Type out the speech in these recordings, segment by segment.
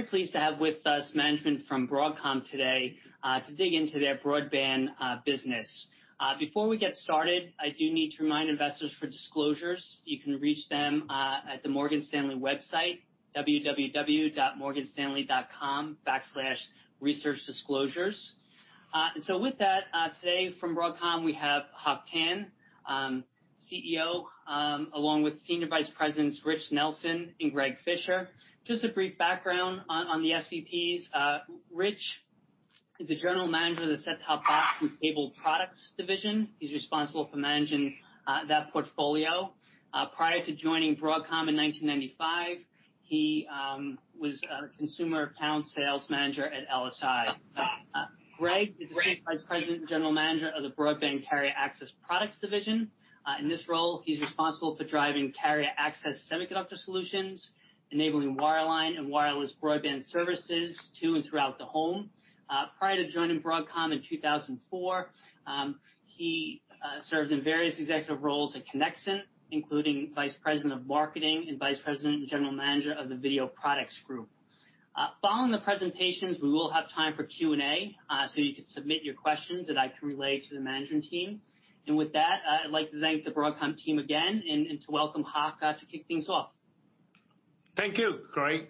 Very pleased to have with us management from Broadcom today to dig into their broadband business. Before we get started, I do need to remind investors for disclosures, you can reach them at the Morgan Stanley website, www.morganstanley.com/researchdisclosures. With that, today from Broadcom, we have Hock Tan, CEO, along with Senior Vice Presidents Rich Nelson and Greg Fischer. Just a brief background on the SVPs. Rich is the General Manager of the Set-Top Box and Cable Products Division. He's responsible for managing that portfolio. Prior to joining Broadcom in 1995, he was a Consumer Account Sales Manager at LSI. Greg is the Senior Vice President and General Manager of the Broadband Carrier Access Products Division. In this role, he's responsible for driving carrier access semiconductor solutions, enabling wireline and wireless broadband services to and throughout the home. Prior to joining Broadcom in 2004, he served in various executive roles at Conexant, including Vice President of Marketing and Vice President and General Manager of the Video Products Group. Following the presentations, we will have time for Q&A. You can submit your questions that I can relay to the management team. With that, I'd like to thank the Broadcom team again and to welcome Hock to kick things off. Thank you, Craig.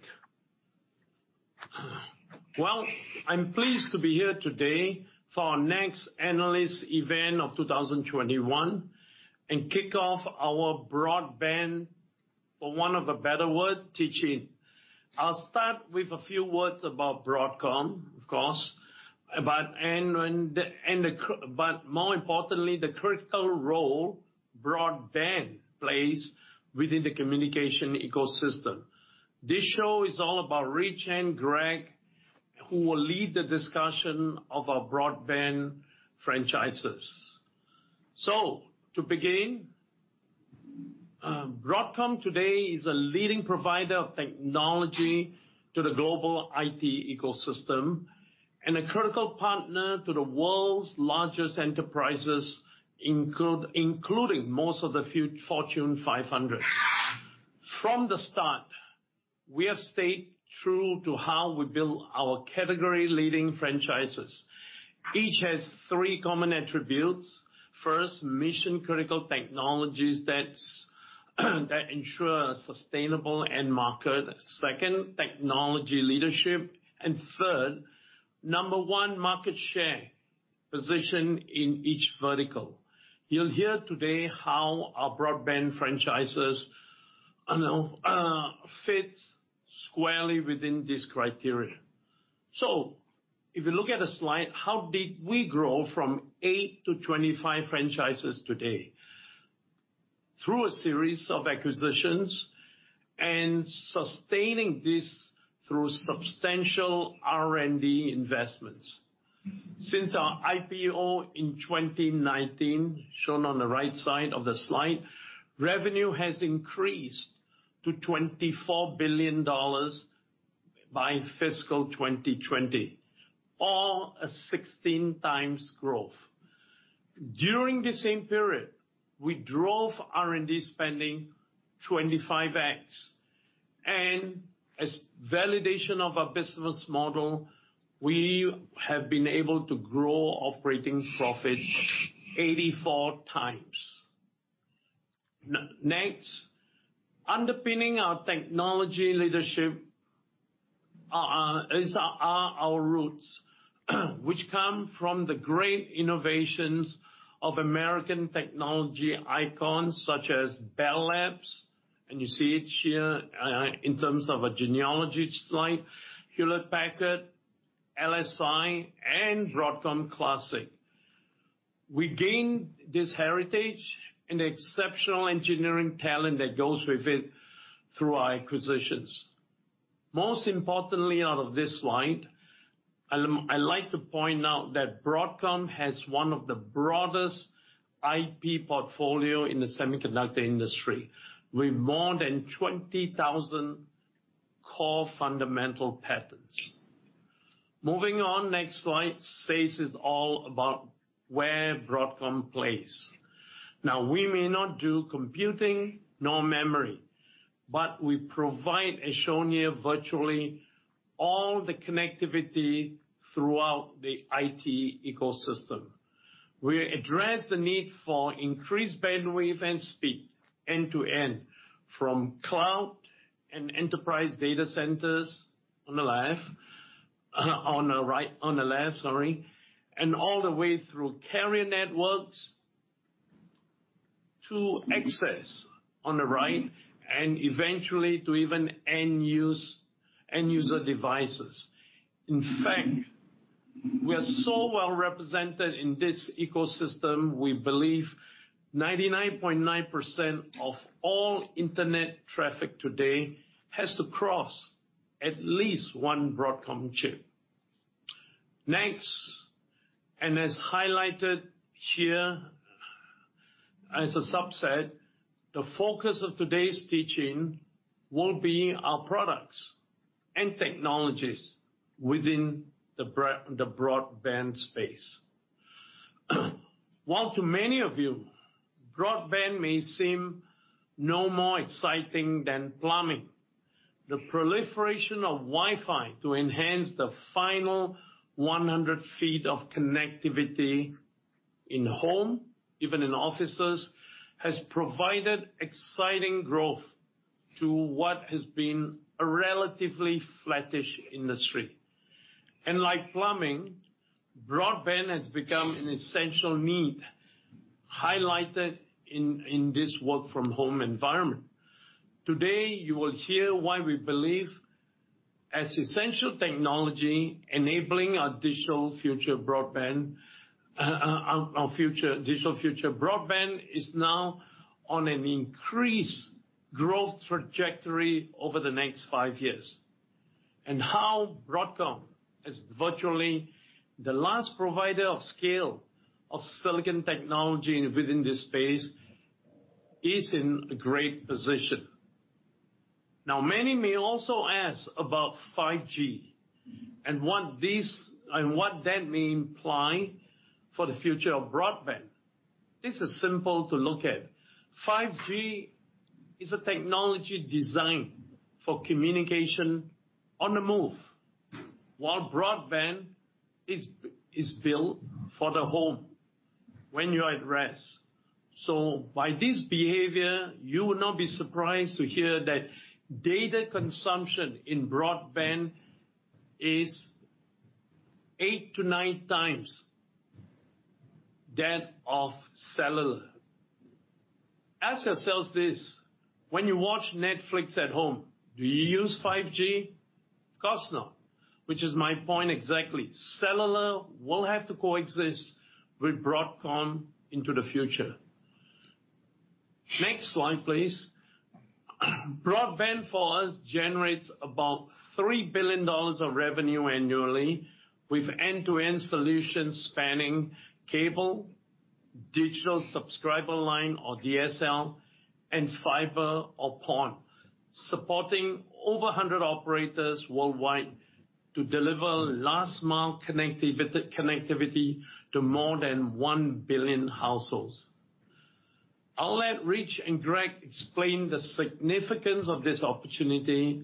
Well, I am pleased to be here today for our next analyst event of 2021 and kick off our broadband for one of the better word, teach-in. I will start with a few words about Broadcom, of course, but more importantly, the critical role broadband plays within the communication ecosystem. This show is all about Rich and Greg, who will lead the discussion of our broadband franchises. To begin, Broadcom today is a leading provider of technology to the global IT ecosystem and a critical partner to the world's largest enterprises, including most of the Fortune 500. From the start, we have stayed true to how we build our category-leading franchises. Each has three common attributes. First, mission-critical technologies that ensure a sustainable end market. Second, technology leadership. Third, number one market share position in each vertical. You'll hear today how our broadband franchises fits squarely within this criteria. If you look at the slide, how did we grow from 8-25 franchises today? Through a series of acquisitions and sustaining this through substantial R&D investments. Since our IPO in 2019, shown on the right side of the slide, revenue has increased to $24 billion by fiscal 2020, or a 16x growth. During the same period, we drove R&D spending 25x, and as validation of our business model, we have been able to grow operating profit 84x. Next, underpinning our technology leadership is our roots, which come from the great innovations of American technology icons such as Bell Labs, and you see it here in terms of a genealogy slide, Hewlett-Packard, LSI, and Broadcom Classic. We gained this heritage and exceptional engineering talent that goes with it through our acquisitions. Most importantly out of this slide, I like to point out that Broadcom has one of the broadest IP portfolio in the semiconductor industry, with more than 20,000 core fundamental patents. Moving on, next slide says it all about where Broadcom plays. Now, we may not do computing nor memory, but we provide, as shown here, virtually all the connectivity throughout the IT ecosystem. We address the need for increased bandwidth and speed end-to-end from cloud and enterprise data centers on the left, and all the way through carrier networks to access on the right and eventually to even end user devices. In fact, we are so well represented in this ecosystem, we believe 99.9% of all internet traffic today has to cross at least one Broadcom chip. Next, and as highlighted here as a subset, the focus of today's teach-in will be our products and technologies within the broadband space. While to many of you, broadband may seem no more exciting than plumbing, the proliferation of Wi-Fi to enhance the final 100 ft of connectivity in home, even in offices, has provided exciting growth to what has been a relatively flattish industry. Like plumbing, broadband has become an essential need, highlighted in this work from home environment. Today, you will hear why we believe as essential technology enabling our digital future broadband is now on an increased growth trajectory over the next five years, and how Broadcom, as virtually the last provider of scale of silicon technology within this space, is in a great position. Now, many may also ask about 5G and what that may imply for the future of broadband. This is simple to look at. 5G is a technology designed for communication on the move, while broadband is built for the home when you're at rest. By this behavior, you will not be surprised to hear that data consumption in broadband is 8x-9x that of cellular. Ask yourselves this, when you watch Netflix at home, do you use 5G? Of course not, which is my point exactly. Cellular will have to coexist with Broadcom into the future. Next slide, please. Broadband for us generates about $3 billion of revenue annually with end-to-end solutions spanning cable, digital subscriber line or DSL, and fiber or PON, supporting over 100 operators worldwide to deliver last mile connectivity to more than 1 billion households. I'll let Rich and Greg explain the significance of this opportunity,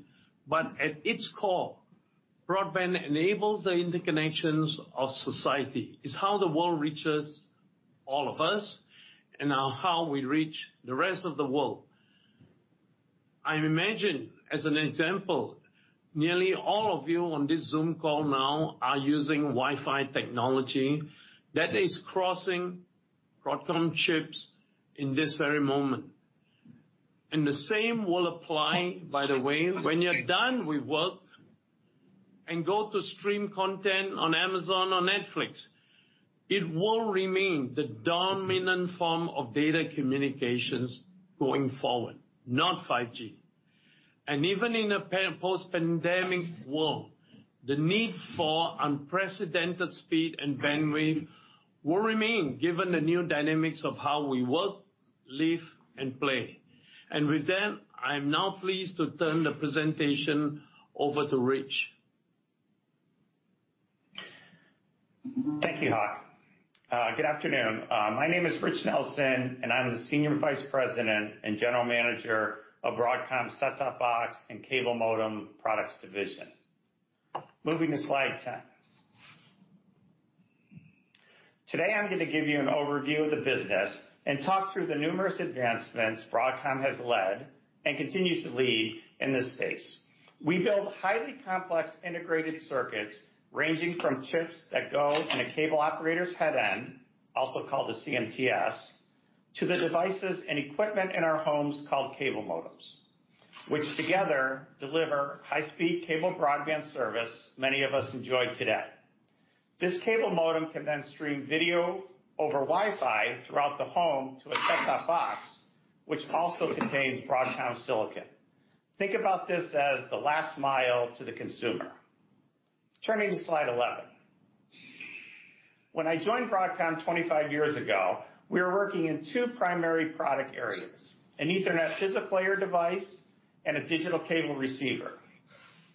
at its core, broadband enables the interconnections of society. It's how the world reaches all of us, and how we reach the rest of the world. I imagine, as an example, nearly all of you on this Zoom call now are using Wi-Fi technology that is crossing Broadcom chips in this very moment. The same will apply, by the way, when you're done with work and go to stream content on Amazon or Netflix. It will remain the dominant form of data communications going forward, not 5G. Even in a post-pandemic world, the need for unprecedented speed and bandwidth will remain given the new dynamics of how we work, live, and play. With that, I'm now pleased to turn the presentation over to Rich. Thank you, Hock. Good afternoon. My name is Rich Nelson, and I'm the Senior Vice President and General Manager of Broadcom Set-Top Box and Cable Modem Products Division. Moving to slide 10. Today I'm going to give you an overview of the business and talk through the numerous advancements Broadcom has led and continues to lead in this space. We build highly complex integrated circuits ranging from chips that go in a cable operator's head end, also called a CMTS, to the devices and equipment in our homes called cable modems, which together deliver high-speed cable broadband service many of us enjoy today. This cable modem can then stream video over Wi-Fi throughout the home to a set-top box, which also contains Broadcom silicon. Think about this as the last mile to the consumer. Turning to slide 11. When I joined Broadcom 25 years ago, we were working in two primary product areas, an Ethernet physical layer device and a digital cable receiver.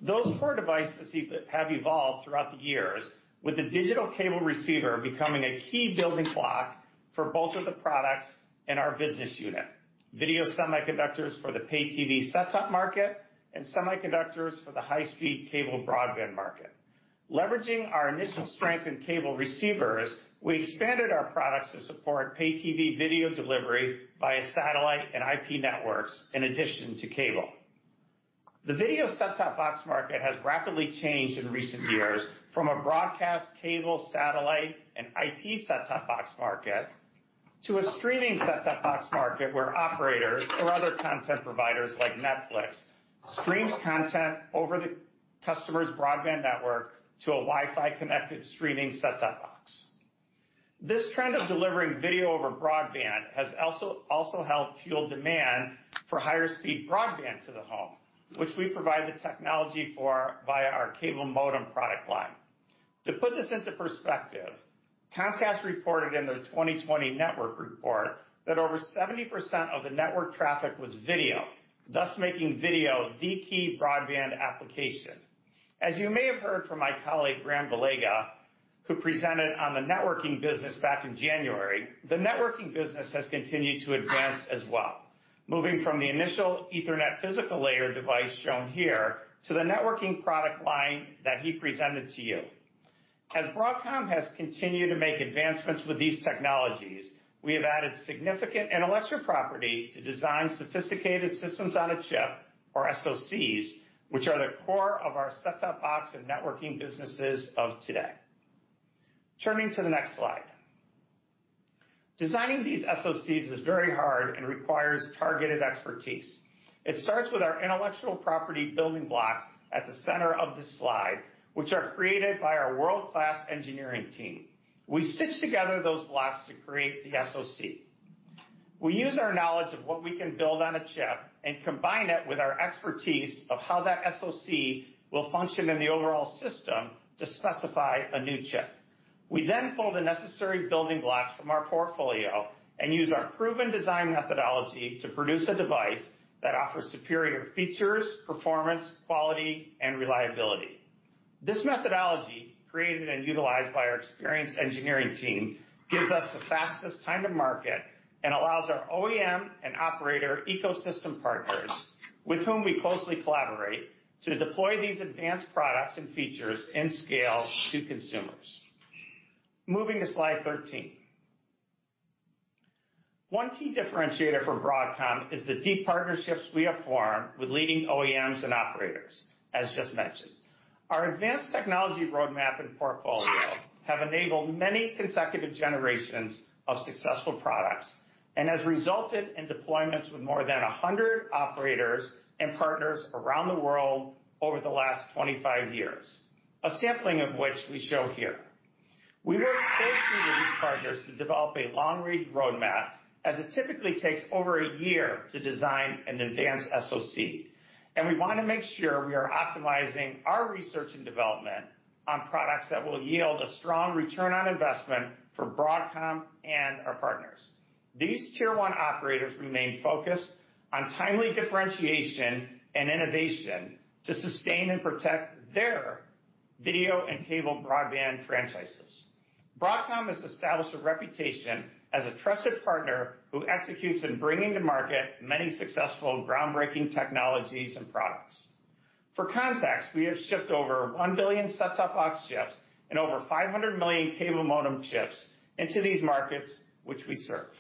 Those core devices have evolved throughout the years, with the digital cable receiver becoming a key building block for both of the products in our business unit, video semiconductors for the pay TV set-top market, and semiconductors for the high-speed cable broadband market. Leveraging our initial strength in cable receivers, we expanded our products to support pay TV video delivery via satellite and IP networks in addition to cable. The video set-top box market has rapidly changed in recent years from a broadcast cable satellite and IP set-top box market to a streaming set-top box market where operators or other content providers like Netflix streams content over the customer's broadband network to a Wi-Fi connected streaming set-top box. This trend of delivering video over broadband has also helped fuel demand for higher speed broadband to the home, which we provide the technology for via our cable modem product line. To put this into perspective, Comcast reported in their 2020 network report that over 70% of the network traffic was video, thus making video the key broadband application. As you may have heard from my colleague, Ram Velaga, who presented on the networking business back in January, the networking business has continued to advance as well, moving from the initial Ethernet physical layer device shown here to the networking product line that he presented to you. As Broadcom has continued to make advancements with these technologies, we have added significant intellectual property to design sophisticated systems on a chip, or SoCs, which are the core of our set-top box and networking businesses of today. Turning to the next slide. Designing these SoCs is very hard and requires targeted expertise. It starts with our intellectual property building blocks at the center of this slide, which are created by our world-class engineering team. We stitch together those blocks to create the SoC. We use our knowledge of what we can build on a chip and combine it with our expertise of how that SoC will function in the overall system to specify a new chip. We pull the necessary building blocks from our portfolio and use our proven design methodology to produce a device that offers superior features, performance, quality, and reliability. This methodology, created and utilized by our experienced engineering team, gives us the fastest time to market and allows our OEM and operator ecosystem partners, with whom we closely collaborate, to deploy these advanced products and features in scale to consumers. Moving to slide 13. One key differentiator for Broadcom is the deep partnerships we have formed with leading OEMs and operators, as just mentioned. Our advanced technology roadmap and portfolio have enabled many consecutive generations of successful products and has resulted in deployments with more than 100 operators and partners around the world over the last 25 years, a sampling of which we show here. We work closely with these partners to develop a long-range roadmap, as it typically takes over a year to design an advanced SoC, and we want to make sure we are optimizing our research and development on products that will yield a strong return on investment for Broadcom and our partners. These tier one operators remain focused on timely differentiation and innovation to sustain and protect their video and cable broadband franchises. Broadcom has established a reputation as a trusted partner who executes in bringing to market many successful groundbreaking technologies and products. For context, we have shipped over 1 billion set-top box chips and over 500 million cable modem chips into these markets which we serve.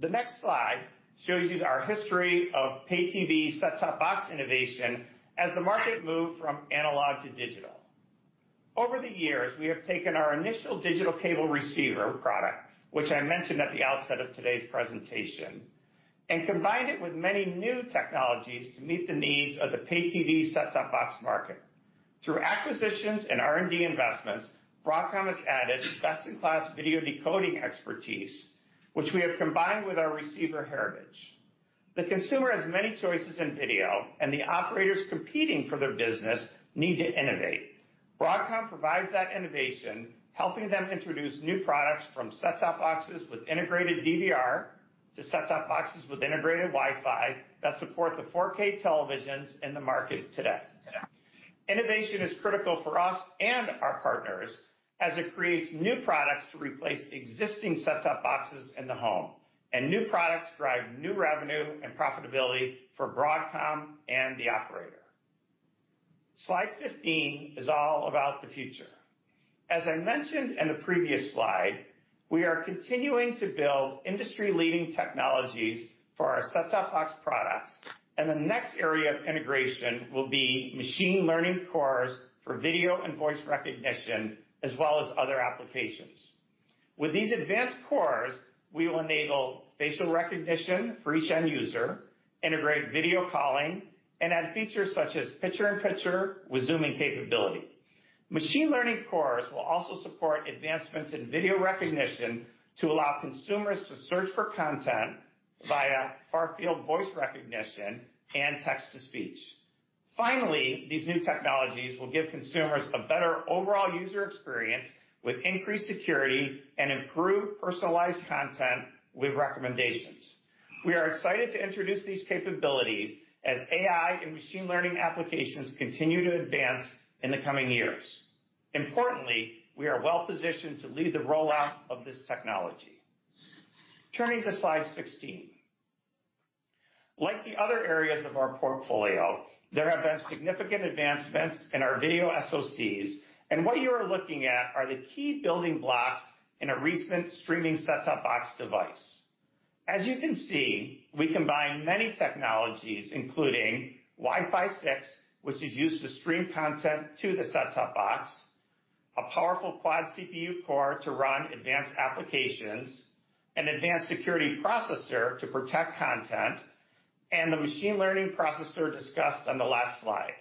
The next slide shows you our history of pay TV set-top box innovation as the market moved from analog to digital. Over the years, we have taken our initial digital cable receiver product, which I mentioned at the outset of today's presentation, and combined it with many new technologies to meet the needs of the pay TV set-top box market. Through acquisitions and R&D investments, Broadcom has added best-in-class video decoding expertise, which we have combined with our receiver heritage. The consumer has many choices in video, and the operators competing for their business need to innovate. Broadcom provides that innovation, helping them introduce new products from set-top boxes with integrated DVR to set-top boxes with integrated Wi-Fi that support the 4K televisions in the market today. Innovation is critical for us and our partners as it creates new products to replace existing set-top boxes in the home, and new products drive new revenue and profitability for Broadcom and the operator. Slide 15 is all about the future. As I mentioned in the previous slide, we are continuing to build industry-leading technologies for our set-top box products, and the next area of integration will be machine learning cores for video and voice recognition, as well as other applications. With these advanced cores, we will enable facial recognition for each end user, integrate video calling, and add features such as picture-in-picture with zooming capability. Machine learning cores will also support advancements in video recognition to allow consumers to search for content via far-field voice recognition and text-to-speech. Finally, these new technologies will give consumers a better overall user experience with increased security and improved personalized content with recommendations. We are excited to introduce these capabilities as AI and machine learning applications continue to advance in the coming years. Importantly, we are well positioned to lead the rollout of this technology. Turning to slide 16. Like the other areas of our portfolio, there have been significant advancements in our video SoCs, and what you are looking at are the key building blocks in a recent streaming set-top box device. As you can see, we combine many technologies, including Wi-Fi 6, which is used to stream content to the set-top box, a powerful quad CPU core to run advanced applications, an advanced security processor to protect content, and the machine learning processor discussed on the last slide.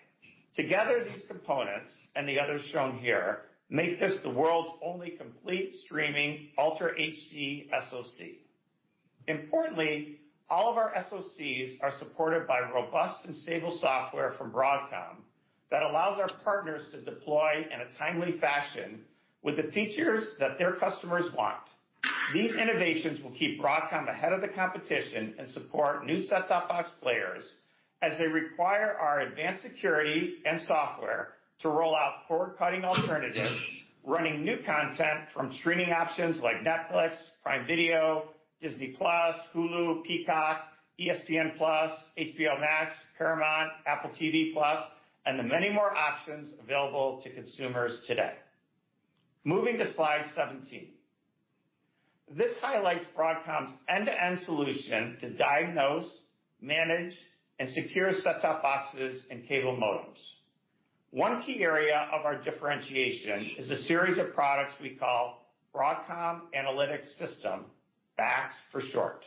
Together, these components, and the others shown here, make this the world's only complete streaming ultra HD SoC. Importantly, all of our SoCs are supported by robust and stable software from Broadcom that allows our partners to deploy in a timely fashion with the features that their customers want. These innovations will keep Broadcom ahead of the competition and support new set-top box players as they require our advanced security and software to roll out cord-cutting alternatives, running new content from streaming options like Netflix, Prime Video, Disney+, Hulu, Peacock, ESPN+, HBO Max, Paramount, Apple TV+, and the many more options available to consumers today. Moving to slide 17. This highlights Broadcom's end-to-end solution to diagnose, manage, and secure set-top boxes and cable modems. One key area of our differentiation is a series of products we call Broadcom Analytics System, BAS for short.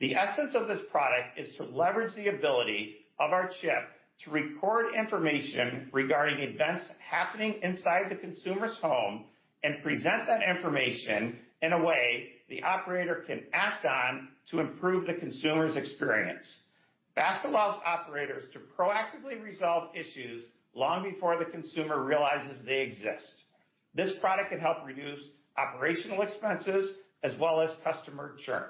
The essence of this product is to leverage the ability of our chip to record information regarding events happening inside the consumer's home and present that information in a way the operator can act on to improve the consumer's experience. BAS allows operators to proactively resolve issues long before the consumer realizes they exist. This product can help reduce operational expenses as well as customer churn.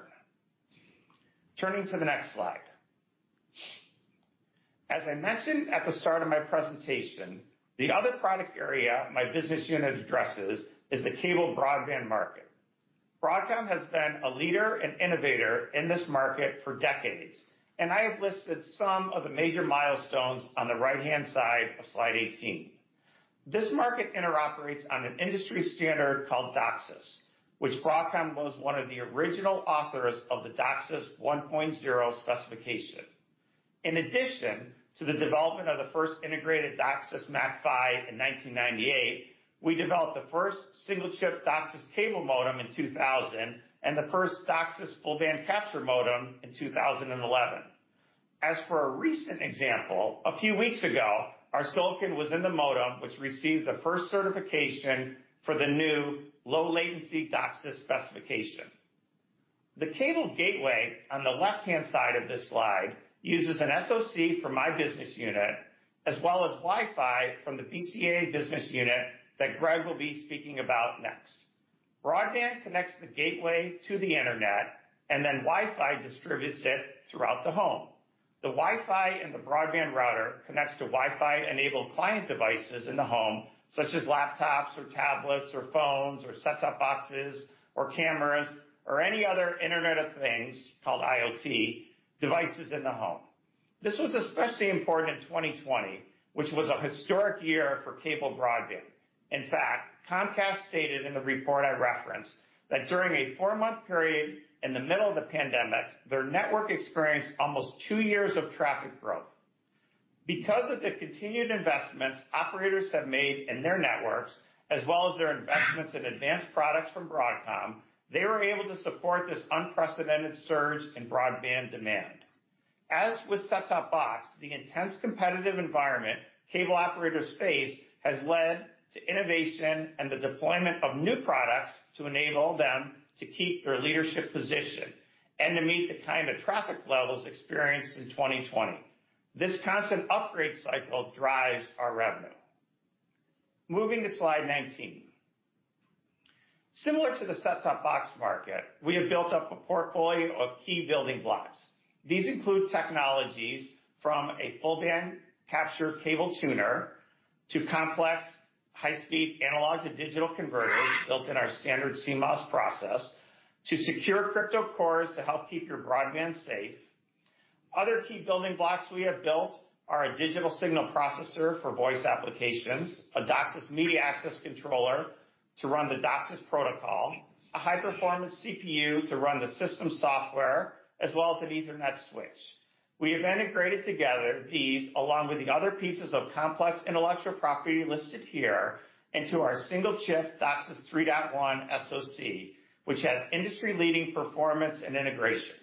Turning to the next slide. As I mentioned at the start of my presentation, the other product area my business unit addresses is the cable broadband market. Broadcom has been a leader and innovator in this market for decades, and I have listed some of the major milestones on the right-hand side of slide 18. This market interoperates on an industry standard called DOCSIS, which Broadcom was one of the original authors of the DOCSIS 1.0 specification. In addition to the development of the first integrated DOCSIS MAC/PHY in 1998, we developed the first single chip DOCSIS cable modem in 2000 and the first DOCSIS full band capture modem in 2011. As for a recent example, a few weeks ago, our silicon was in the modem, which received the first certification for the new low latency DOCSIS specification. The cable gateway, on the left-hand side of this slide, uses an SoC from my business unit, as well as Wi-Fi from the BCA business unit that Greg will be speaking about next. Broadband connects the gateway to the internet, and then Wi-Fi distributes it throughout the home. The Wi-Fi and the broadband router connects to Wi-Fi enabled client devices in the home, such as laptops or tablets or phones or set-top boxes or cameras or any other Internet of Things, called IoT, devices in the home. This was especially important in 2020, which was a historic year for cable broadband. In fact, Comcast stated in the report I referenced that during a four-month period in the middle of the pandemic, their network experienced almost two years of traffic growth. Because of the continued investments operators have made in their networks, as well as their investments in advanced products from Broadcom, they were able to support this unprecedented surge in broadband demand. As with set-top box, the intense competitive environment cable operators face has led to innovation and the deployment of new products to enable them to keep their leadership position and to meet the kind of traffic levels experienced in 2020. This constant upgrade cycle drives our revenue. Moving to slide 19. Similar to the set-top box market, we have built up a portfolio of key building blocks. These include technologies from a full band capture cable tuner to complex high speed analog to digital converters built in our standard CMOS process, to secure crypto cores to help keep your broadband safe. Other key building blocks we have built are a digital signal processor for voice applications, a DOCSIS Media Access Controller to run the DOCSIS protocol, a high performance CPU to run the system software, as well as an Ethernet switch. We have integrated together these, along with the other pieces of complex intellectual property listed here into our single chip DOCSIS 3.1 SoC, which has industry leading performance and integration.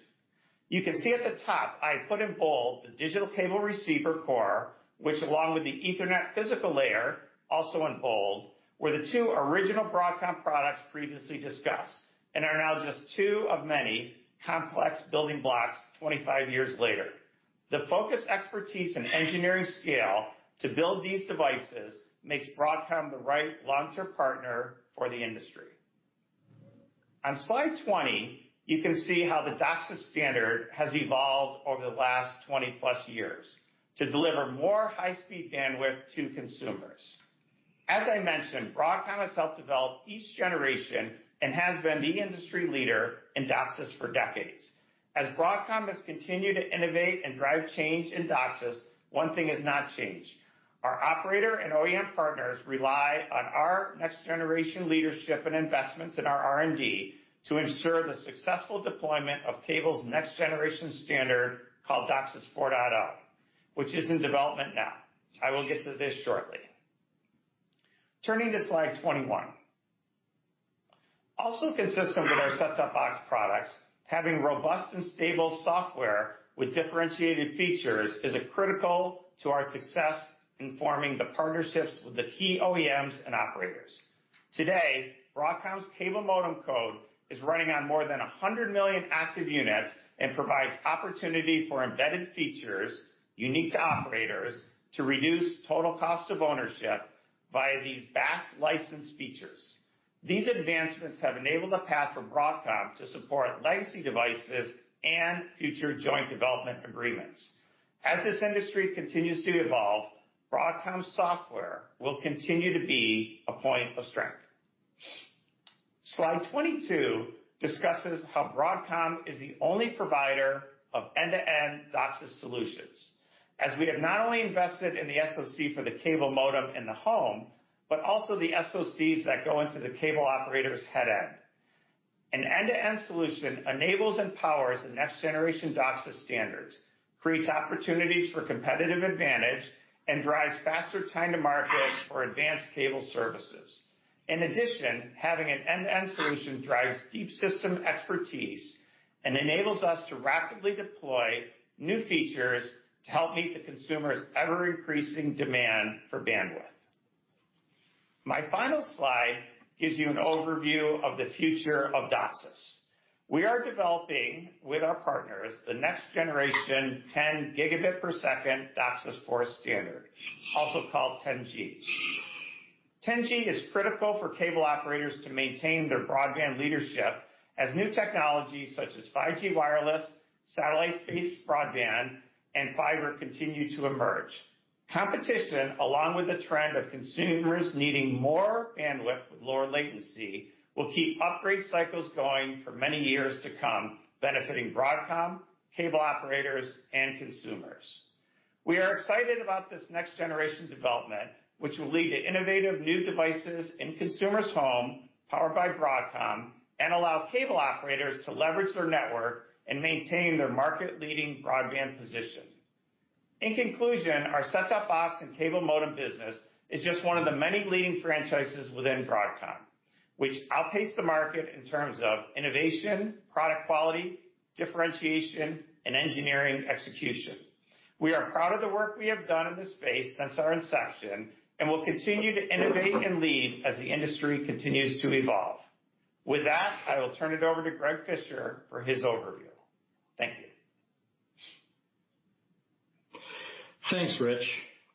You can see at the top I put in bold the digital cable receiver core, which along with the Ethernet physical layer, also in bold, were the two original Broadcom products previously discussed and are now just two of many complex building blocks 25 years later. The focused expertise and engineering scale to build these devices makes Broadcom the right long-term partner for the industry. On slide 20, you can see how the DOCSIS standard has evolved over the last 20+ years to deliver more high-speed bandwidth to consumers. As I mentioned, Broadcom has helped develop each generation and has been the industry leader in DOCSIS for decades. As Broadcom has continued to innovate and drive change in DOCSIS, one thing has not changed. Our operator and OEM partners rely on our next-generation leadership and investments in our R&D to ensure the successful deployment of cable's next-generation standard called DOCSIS 4.0, which is in development now. I will get to this shortly. Turning to slide 21. Also consistent with our set-top box products, having robust and stable software with differentiated features is critical to our success in forming the partnerships with the key OEMs and operators. Today, Broadcom's cable modem code is running on more than 100 million active units and provides opportunity for embedded features unique to operators to reduce total cost of ownership via these BAS license features. These advancements have enabled a path for Broadcom to support legacy devices and future joint development agreements. As this industry continues to evolve, Broadcom software will continue to be a point of strength. Slide 22 discusses how Broadcom is the only provider of end-to-end DOCSIS solutions, as we have not only invested in the SoC for the cable modem in the home, but also the SoCs that go into the cable operator's headend. An end-to-end solution enables and powers the next generation DOCSIS standards, creates opportunities for competitive advantage, and drives faster time to market for advanced cable services. In addition, having an end-to-end solution drives deep system expertise and enables us to rapidly deploy new features to help meet the consumer's ever-increasing demand for bandwidth. My final slide gives you an overview of the future of DOCSIS. We are developing with our partners the next generation 10 Gb per second DOCSIS 4.0 standard, also called 10G. 10G is critical for cable operators to maintain their broadband leadership as new technologies such as 5G wireless, satellite space broadband, and fiber continue to emerge. Competition, along with the trend of consumers needing more bandwidth with lower latency, will keep upgrade cycles going for many years to come, benefiting Broadcom, cable operators, and consumers. We are excited about this next-generation development, which will lead to innovative new devices in consumer's home powered by Broadcom and allow cable operators to leverage their network and maintain their market-leading broadband position. In conclusion, our set-top box and cable modem business is just one of the many leading franchises within Broadcom, which outpace the market in terms of innovation, product quality, differentiation, and engineering execution. We are proud of the work we have done in this space since our inception and will continue to innovate and lead as the industry continues to evolve. With that, I will turn it over to Greg Fischer for his overview. Thank you. Thanks, Rich.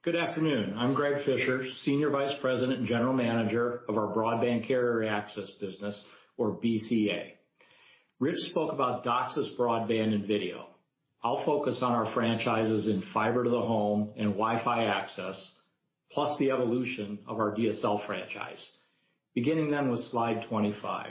Good afternoon. I'm Greg Fischer, Senior Vice President and General Manager of our Broadband Carrier Access business, or BCA. Rich spoke about DOCSIS broadband and video. I'll focus on our franchises in fiber to the home and Wi-Fi access, plus the evolution of our DSL franchise. Beginning with slide 25.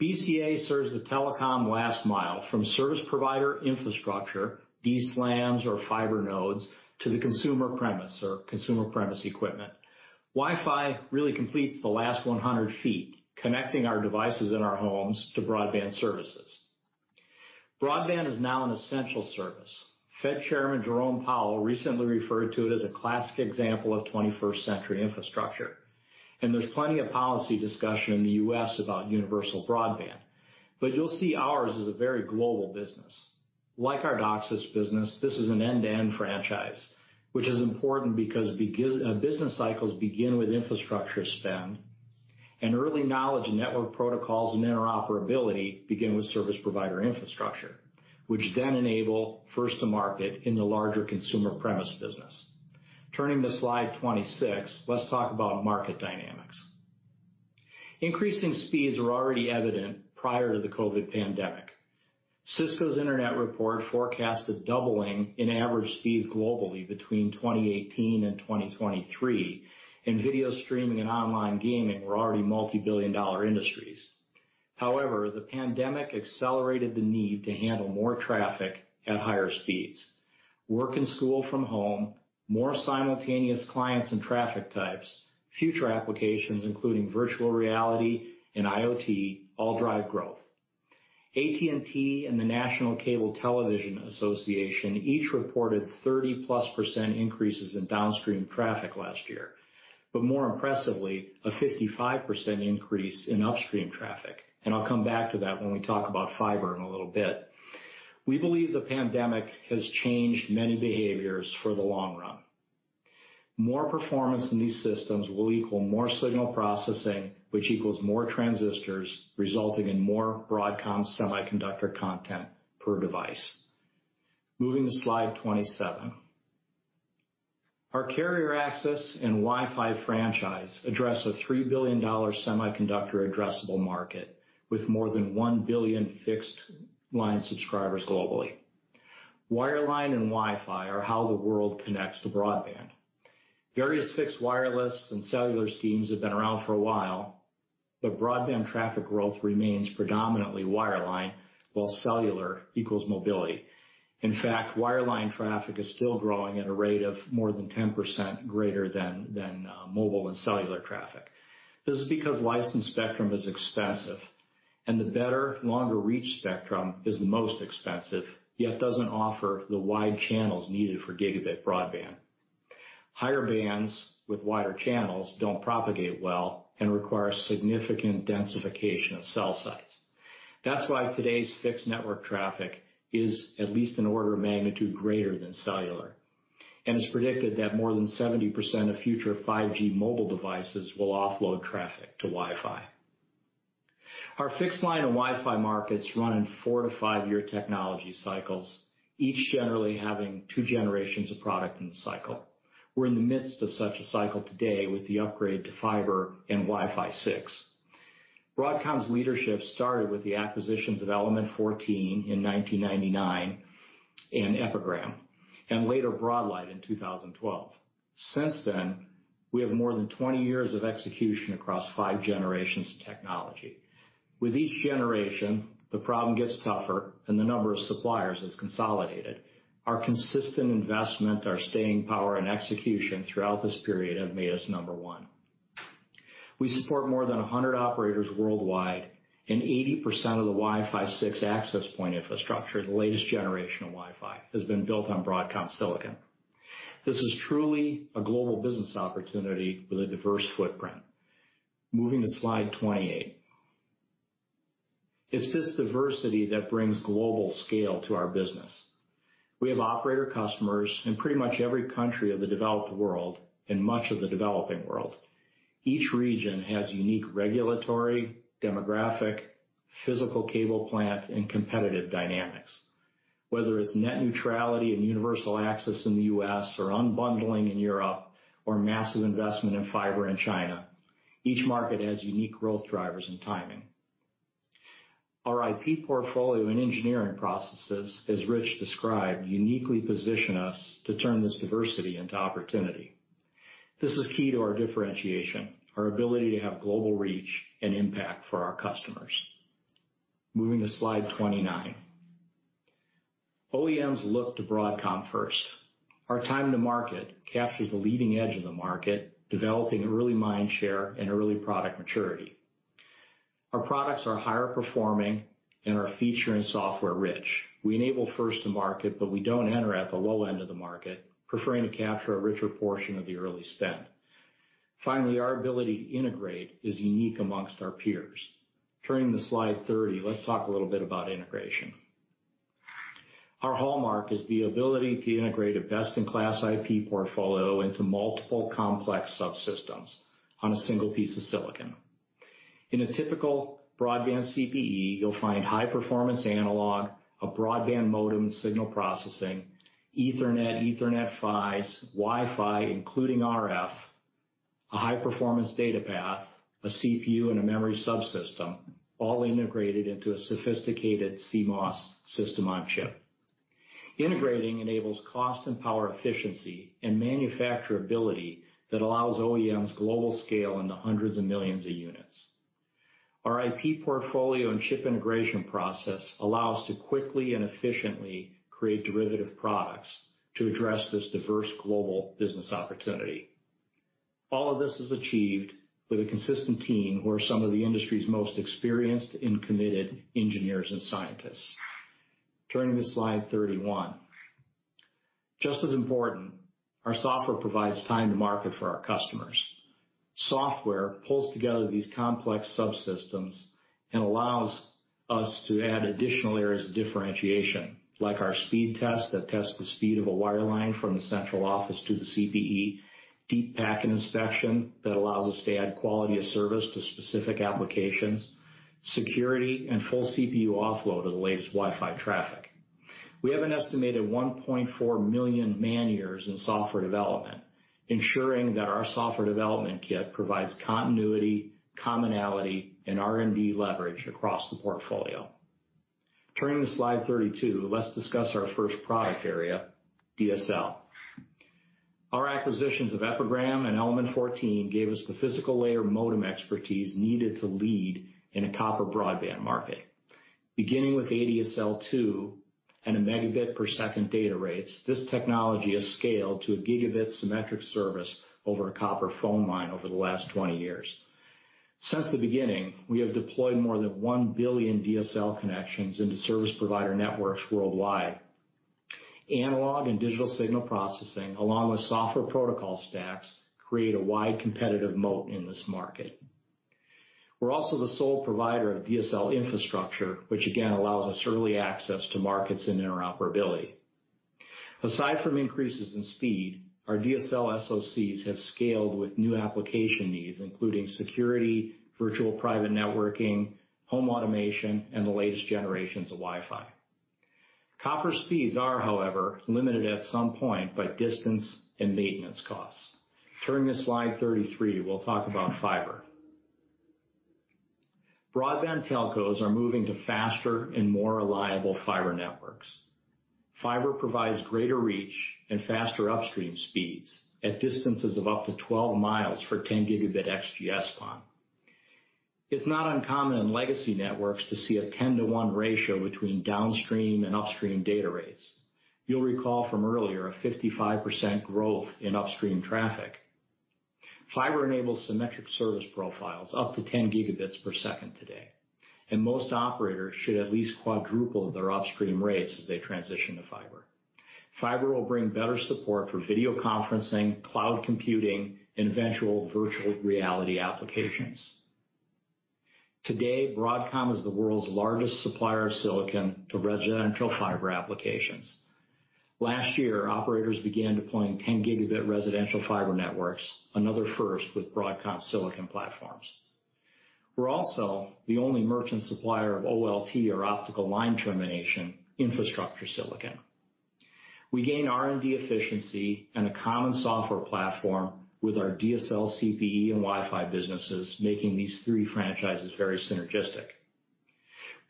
BCA serves the telecom last mile from service provider infrastructure, DSLAMs or fiber nodes, to the consumer premise or consumer premise equipment. Wi-Fi really completes the last 100 ft, connecting our devices in our homes to broadband services. Broadband is now an essential service. Fed Chairman Jerome Powell recently referred to it as a classic example of 21st century infrastructure, and there's plenty of policy discussion in the U.S. about universal broadband. You'll see ours is a very global business. Like our DOCSIS business, this is an end-to-end franchise, which is important because business cycles begin with infrastructure spend and early knowledge of network protocols and interoperability begin with service provider infrastructure, which then enable first to market in the larger consumer premise business. Turning to slide 26, let's talk about market dynamics. Increasing speeds were already evident prior to the COVID pandemic. Cisco's internet report forecast a doubling in average speeds globally between 2018 and 2023, and video streaming and online gaming were already multi-billion dollar industries. However, the pandemic accelerated the need to handle more traffic at higher speeds. Work and school from home, more simultaneous clients and traffic types, future applications including virtual reality and IoT all drive growth. AT&T and the National Cable Television Association each reported 30+% increases in downstream traffic last year, but more impressively, a 55% increase in upstream traffic. I'll come back to that when we talk about fiber in a little bit. We believe the pandemic has changed many behaviors for the long run. More performance in these systems will equal more signal processing, which equals more transistors, resulting in more Broadcom semiconductor content per device. Moving to slide 27. Our carrier access and Wi-Fi franchise address a $3 billion semiconductor addressable market with more than 1 billion fixed line subscribers globally. Wireline and Wi-Fi are how the world connects to broadband. Various fixed wireless and cellular schemes have been around for a while, but broadband traffic growth remains predominantly wireline, while cellular equals mobility. In fact, wireline traffic is still growing at a rate of more than 10% greater than mobile and cellular traffic. This is because licensed spectrum is expensive, and the better, longer-reach spectrum is the most expensive, yet doesn't offer the wide channels needed for gigabit broadband. Higher bands with wider channels don't propagate well and require significant densification of cell sites. That's why today's fixed network traffic is at least an order of magnitude greater than cellular. It's predicted that more than 70% of future 5G mobile devices will offload traffic to Wi-Fi. Our fixed line and Wi-Fi markets run in four to five-year technology cycles, each generally having two generations of product in the cycle. We're in the midst of such a cycle today with the upgrade to fiber and Wi-Fi 6. Broadcom's leadership started with the acquisitions of Element 14 in 1999, Epigram, and later BroadLight in 2012. Since then, we have more than 20 years of execution across five generations of technology. With each generation, the problem gets tougher and the number of suppliers is consolidated. Our consistent investment, our staying power, and execution throughout this period have made us number one. We support more than 100 operators worldwide, and 80% of the Wi-Fi 6 access point infrastructure, the latest generation of Wi-Fi, has been built on Broadcom silicon. This is truly a global business opportunity with a diverse footprint. Moving to slide 28. It's this diversity that brings global scale to our business. We have operator customers in pretty much every country of the developed world and much of the developing world. Each region has unique regulatory, demographic, physical cable plant, and competitive dynamics. Whether it's net neutrality and universal access in the U.S., or unbundling in Europe, or massive investment in fiber in China, each market has unique growth drivers and timing. Our IP portfolio and engineering processes, as Rich described, uniquely position us to turn this diversity into opportunity. This is key to our differentiation, our ability to have global reach and impact for our customers. Moving to slide 29. OEMs look to Broadcom first. Our time to market captures the leading edge of the market, developing early mind share and early product maturity. Our products are higher performing and are feature and software-rich. We enable first to market, but we don't enter at the low end of the market, preferring to capture a richer portion of the early spend. Finally, our ability to integrate is unique amongst our peers. Turning to slide 30, let's talk a little bit about integration. Our hallmark is the ability to integrate a best-in-class IP portfolio into multiple complex subsystems on a single piece of silicon. In a typical broadband CPE, you'll find high-performance analog, a broadband modem signal processing, Ethernet PHYs, Wi-Fi including RF, a high-performance data path, a CPU, and a memory subsystem, all integrated into a sophisticated CMOS system-on-chip. Integrating enables cost and power efficiency and manufacturability that allows OEMs global scale in the hundreds of millions of units. Our IP portfolio and chip integration process allow us to quickly and efficiently create derivative products to address this diverse global business opportunity. All of this is achieved with a consistent team who are some of the industry's most experienced and committed engineers and scientists. Turning to slide 31. Just as important, our software provides time to market for our customers. Software pulls together these complex subsystems and allows us to add additional areas of differentiation, like our speed test that tests the speed of a wireline from the central office to the CPE, deep packet inspection that allows us to add quality of service to specific applications, security, and full CPU offload of the latest Wi-Fi traffic. We have an estimated 1.4 million man-years in software development, ensuring that our software development kit provides continuity, commonality, and R&D leverage across the portfolio. Turning to slide 32, let's discuss our first product area, DSL. Our acquisitions of Epigram and Element 14 gave us the physical layer modem expertise needed to lead in a copper broadband market. Beginning with ADSL2 and 1 MB per second data rates, this technology has scaled to a gigabit symmetric service over a copper phone line over the last 20 years. Since the beginning, we have deployed more than 1 billion DSL connections into service provider networks worldwide. Analog and digital signal processing, along with software protocol stacks, create a wide competitive moat in this market. We're also the sole provider of DSL infrastructure, which again allows us early access to markets and interoperability. Aside from increases in speed, our DSL SoCs have scaled with new application needs, including security, virtual private networking, home automation, and the latest generations of Wi-Fi. Copper speeds are, however, limited at some point by distance and maintenance costs. Turning to slide 33, we'll talk about fiber. Broadband telcos are moving to faster and more reliable fiber networks. Fiber provides greater reach and faster upstream speeds at distances of up to 12 mi for 10 Gb XGS-PON. It's not uncommon in legacy networks to see a 10:1 ratio between downstream and upstream data rates. You'll recall from earlier a 55% growth in upstream traffic. Fiber enables symmetric service profiles up to 10 Gb per second today, and most operators should at least quadruple their upstream rates as they transition to fiber. Fiber will bring better support for video conferencing, cloud computing, and eventual virtual reality applications. Today, Broadcom is the world's largest supplier of silicon to residential fiber applications. Last year, operators began deploying 10 Gb residential fiber networks, another first with Broadcom silicon platforms. We're also the only merchant supplier of OLT or optical line termination infrastructure silicon. We gain R&D efficiency and a common software platform with our DSL CPE and Wi-Fi businesses, making these three franchises very synergistic.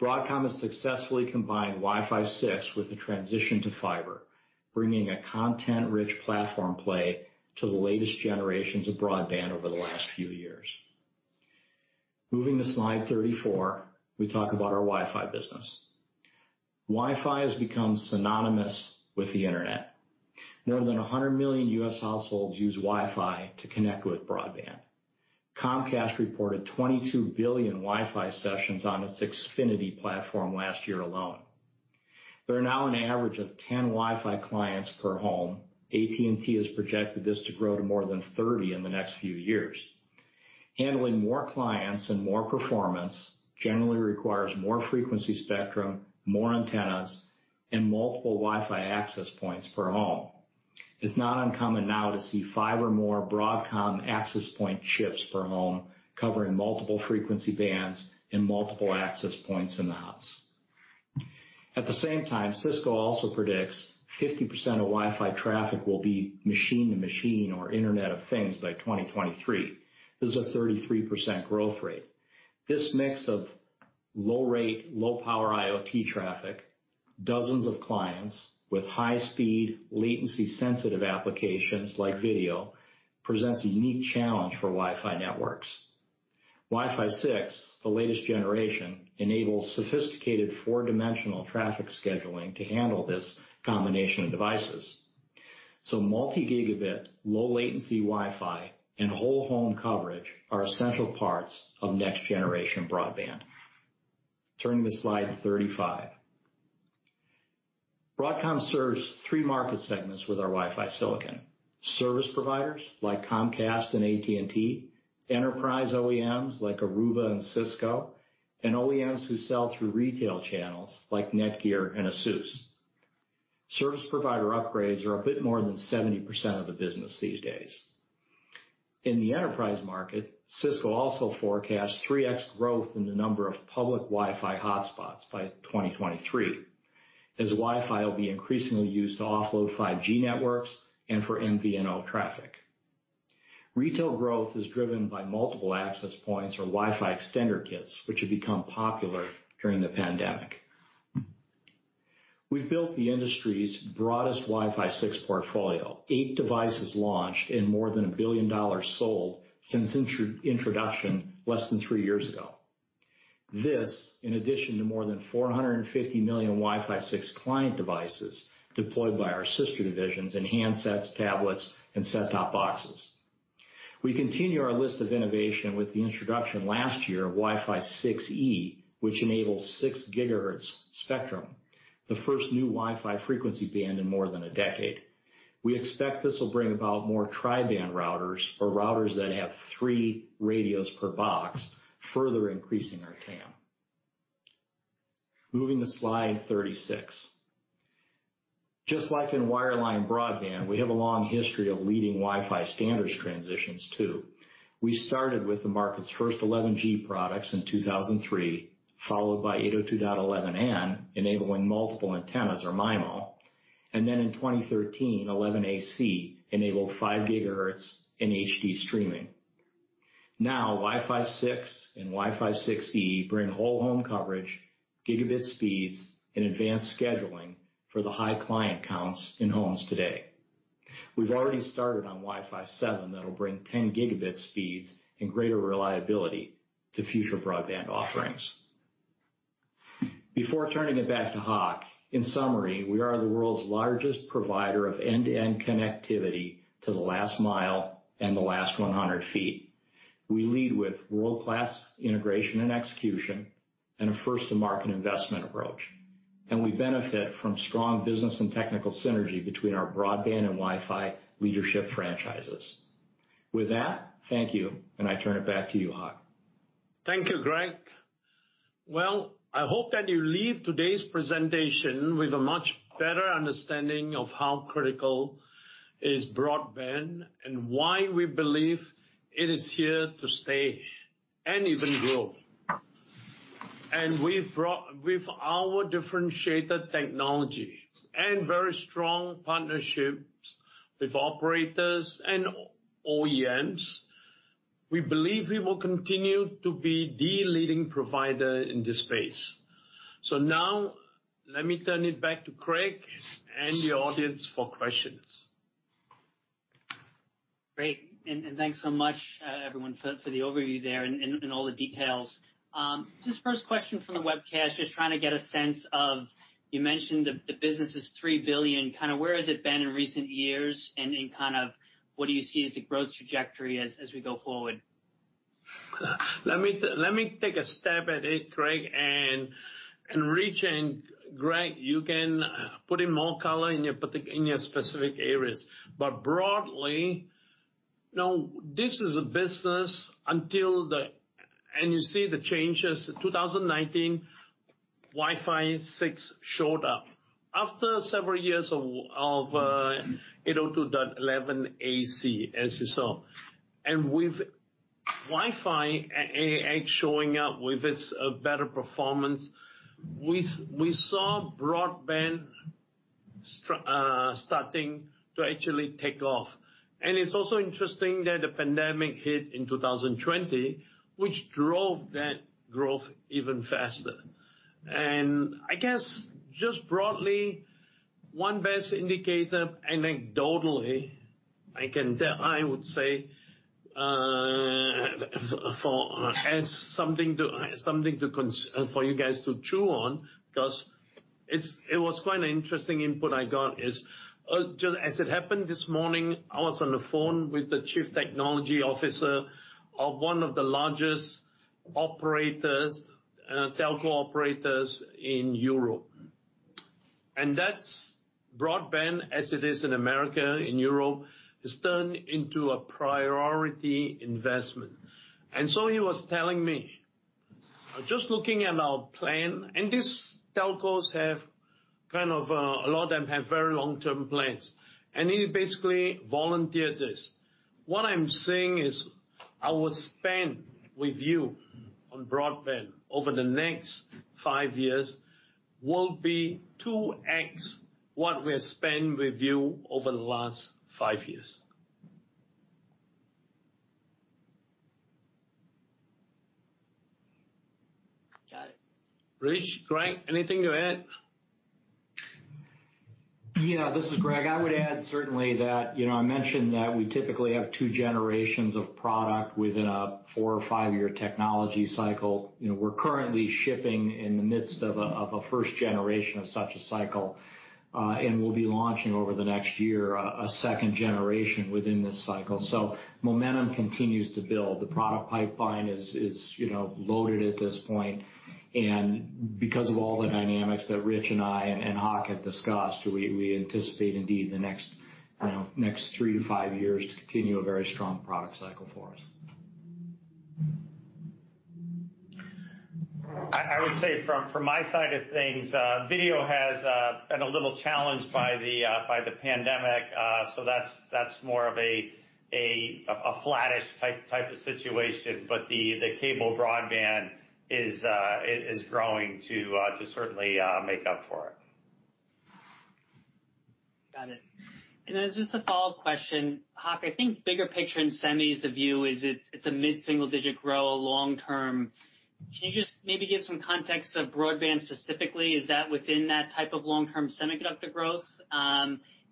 Broadcom has successfully combined Wi-Fi 6 with the transition to fiber, bringing a content-rich platform play to the latest generations of broadband over the last few years. Moving to slide 34, we talk about our Wi-Fi business. Wi-Fi has become synonymous with the Internet. More than 100 million U.S. households use Wi-Fi to connect with broadband. Comcast reported 22 billion Wi-Fi sessions on its Xfinity platform last year alone. There are now an average of 10 Wi-Fi clients per home. AT&T has projected this to grow to more than 30 in the next few years. Handling more clients and more performance generally requires more frequency spectrum, more antennas, and multiple Wi-Fi access points per home. It's not uncommon now to see five or more Broadcom access point chips per home, covering multiple frequency bands and multiple access points in the house. At the same time, Cisco also predicts 50% of Wi-Fi traffic will be machine-to-machine or Internet of Things by 2023. This is a 33% growth rate. This mix of low rate, low power IoT traffic, dozens of clients with high speed, latency-sensitive applications like video presents a unique challenge for Wi-Fi networks. Wi-Fi 6, the latest generation, enables sophisticated four-dimensional traffic scheduling to handle this combination of devices. Multi-gigabit, low latency Wi-Fi and whole home coverage are essential parts of next generation broadband. Turning to slide 35. Broadcom serves three market segments with our Wi-Fi silicon. Service providers like Comcast and AT&T, enterprise OEMs like Aruba and Cisco, and OEMs who sell through retail channels like NETGEAR and ASUS. Service provider upgrades are a bit more than 70% of the business these days. In the enterprise market, Cisco also forecasts 3x growth in the number of public Wi-Fi hotspots by 2023, as Wi-Fi will be increasingly used to offload 5G networks and for MVNO traffic. Retail growth is driven by multiple access points or Wi-Fi extender kits, which have become popular during the pandemic. We've built the industry's broadest Wi-Fi 6 portfolio, eight devices launched and more than $1 billion sold since introduction less than three years ago. This, in addition to more than 450 million Wi-Fi 6 client devices deployed by our sister divisions in handsets, tablets, and set-top boxes. We continue our list of innovation with the introduction last year of Wi-Fi 6E, which enables 6 GHz spectrum, the first new Wi-Fi frequency band in more than a decade. We expect this will bring about more tri-band routers or routers that have three radios per box, further increasing our TAM. Moving to slide 36. Just like in wireline broadband, we have a long history of leading Wi-Fi standards transitions too. We started with the market's first 11G products in 2003, followed by 802.11n, enabling multiple antennas or MIMO. In 2013, 11AC enabled five gigahertz in HD streaming. Now Wi-Fi 6 and Wi-Fi 6E bring whole home coverage, gigabit speeds, and advanced scheduling for the high client counts in homes today. We've already started on Wi-Fi 7 that'll bring 10 Gb speeds and greater reliability to future broadband offerings. Before turning it back to Hock, in summary, we are the world's largest provider of end-to-end connectivity to the last mile and the last 100 ft. We lead with world-class integration and execution and a first-to-market investment approach. We benefit from strong business and technical synergy between our broadband and Wi-Fi leadership franchises. With that, thank you, and I turn it back to you, Hock. Thank you, Greg. Well, I hope that you leave today's presentation with a much better understanding of how critical is broadband and why we believe it is here to stay and even grow. With our differentiated technology and very strong partnerships with operators and OEMs, we believe we will continue to be the leading provider in this space. Now let me turn it back to Craig and the audience for questions. Great. Thanks so much, everyone, for the overview there and all the details. Just first question from the webcast, just trying to get a sense of, you mentioned the business is $3 billion, where has it been in recent years and what do you see as the growth trajectory as we go forward? Let me take a stab at it, Craig, and Rich and Greg, you can put in more color in your specific areas. You see the changes, 2019, Wi-Fi 6 showed up after several years of 802.11ac, as you saw. With Wi-Fi 6 showing up with its better performance, we saw broadband starting to actually take off. It's also interesting that the pandemic hit in 2020, which drove that growth even faster. I guess, just broadly, one best indicator anecdotally, I would say as something for you guys to chew on, because it was quite an interesting input I got is, as it happened this morning, I was on the phone with the chief technology officer of one of the largest telco operators in Europe. That's broadband as it is in America, in Europe, has turned into a priority investment. He was telling me, "Just looking at our plan," and these telcos have, a lot of them have very long-term plans. He basically volunteered this. "What I'm saying is our spend with you on broadband over the next five years will be 2x what we have spent with you over the last five years. Got it. Rich, Greg, anything to add? Yeah, this is Greg. I would add certainly that I mentioned that we typically have two generations of product within a four or five-year technology cycle. We're currently shipping in the midst of a first generation of such a cycle. We'll be launching over the next year a second generation within this cycle. Momentum continues to build. The product pipeline is loaded at this point, and because of all the dynamics that Rich and I, and Hock have discussed, we anticipate indeed the next three to five years to continue a very strong product cycle for us. I would say from my side of things, video has been a little challenged by the pandemic. That's more of a flattish type of situation. The cable broadband is growing to certainly make up for it. Got it. As just a follow-up question, Hock, I think bigger picture in semis the view is it's a mid-single digit growth long term. Can you just maybe give some context of broadband specifically? Is that within that type of long-term semiconductor growth?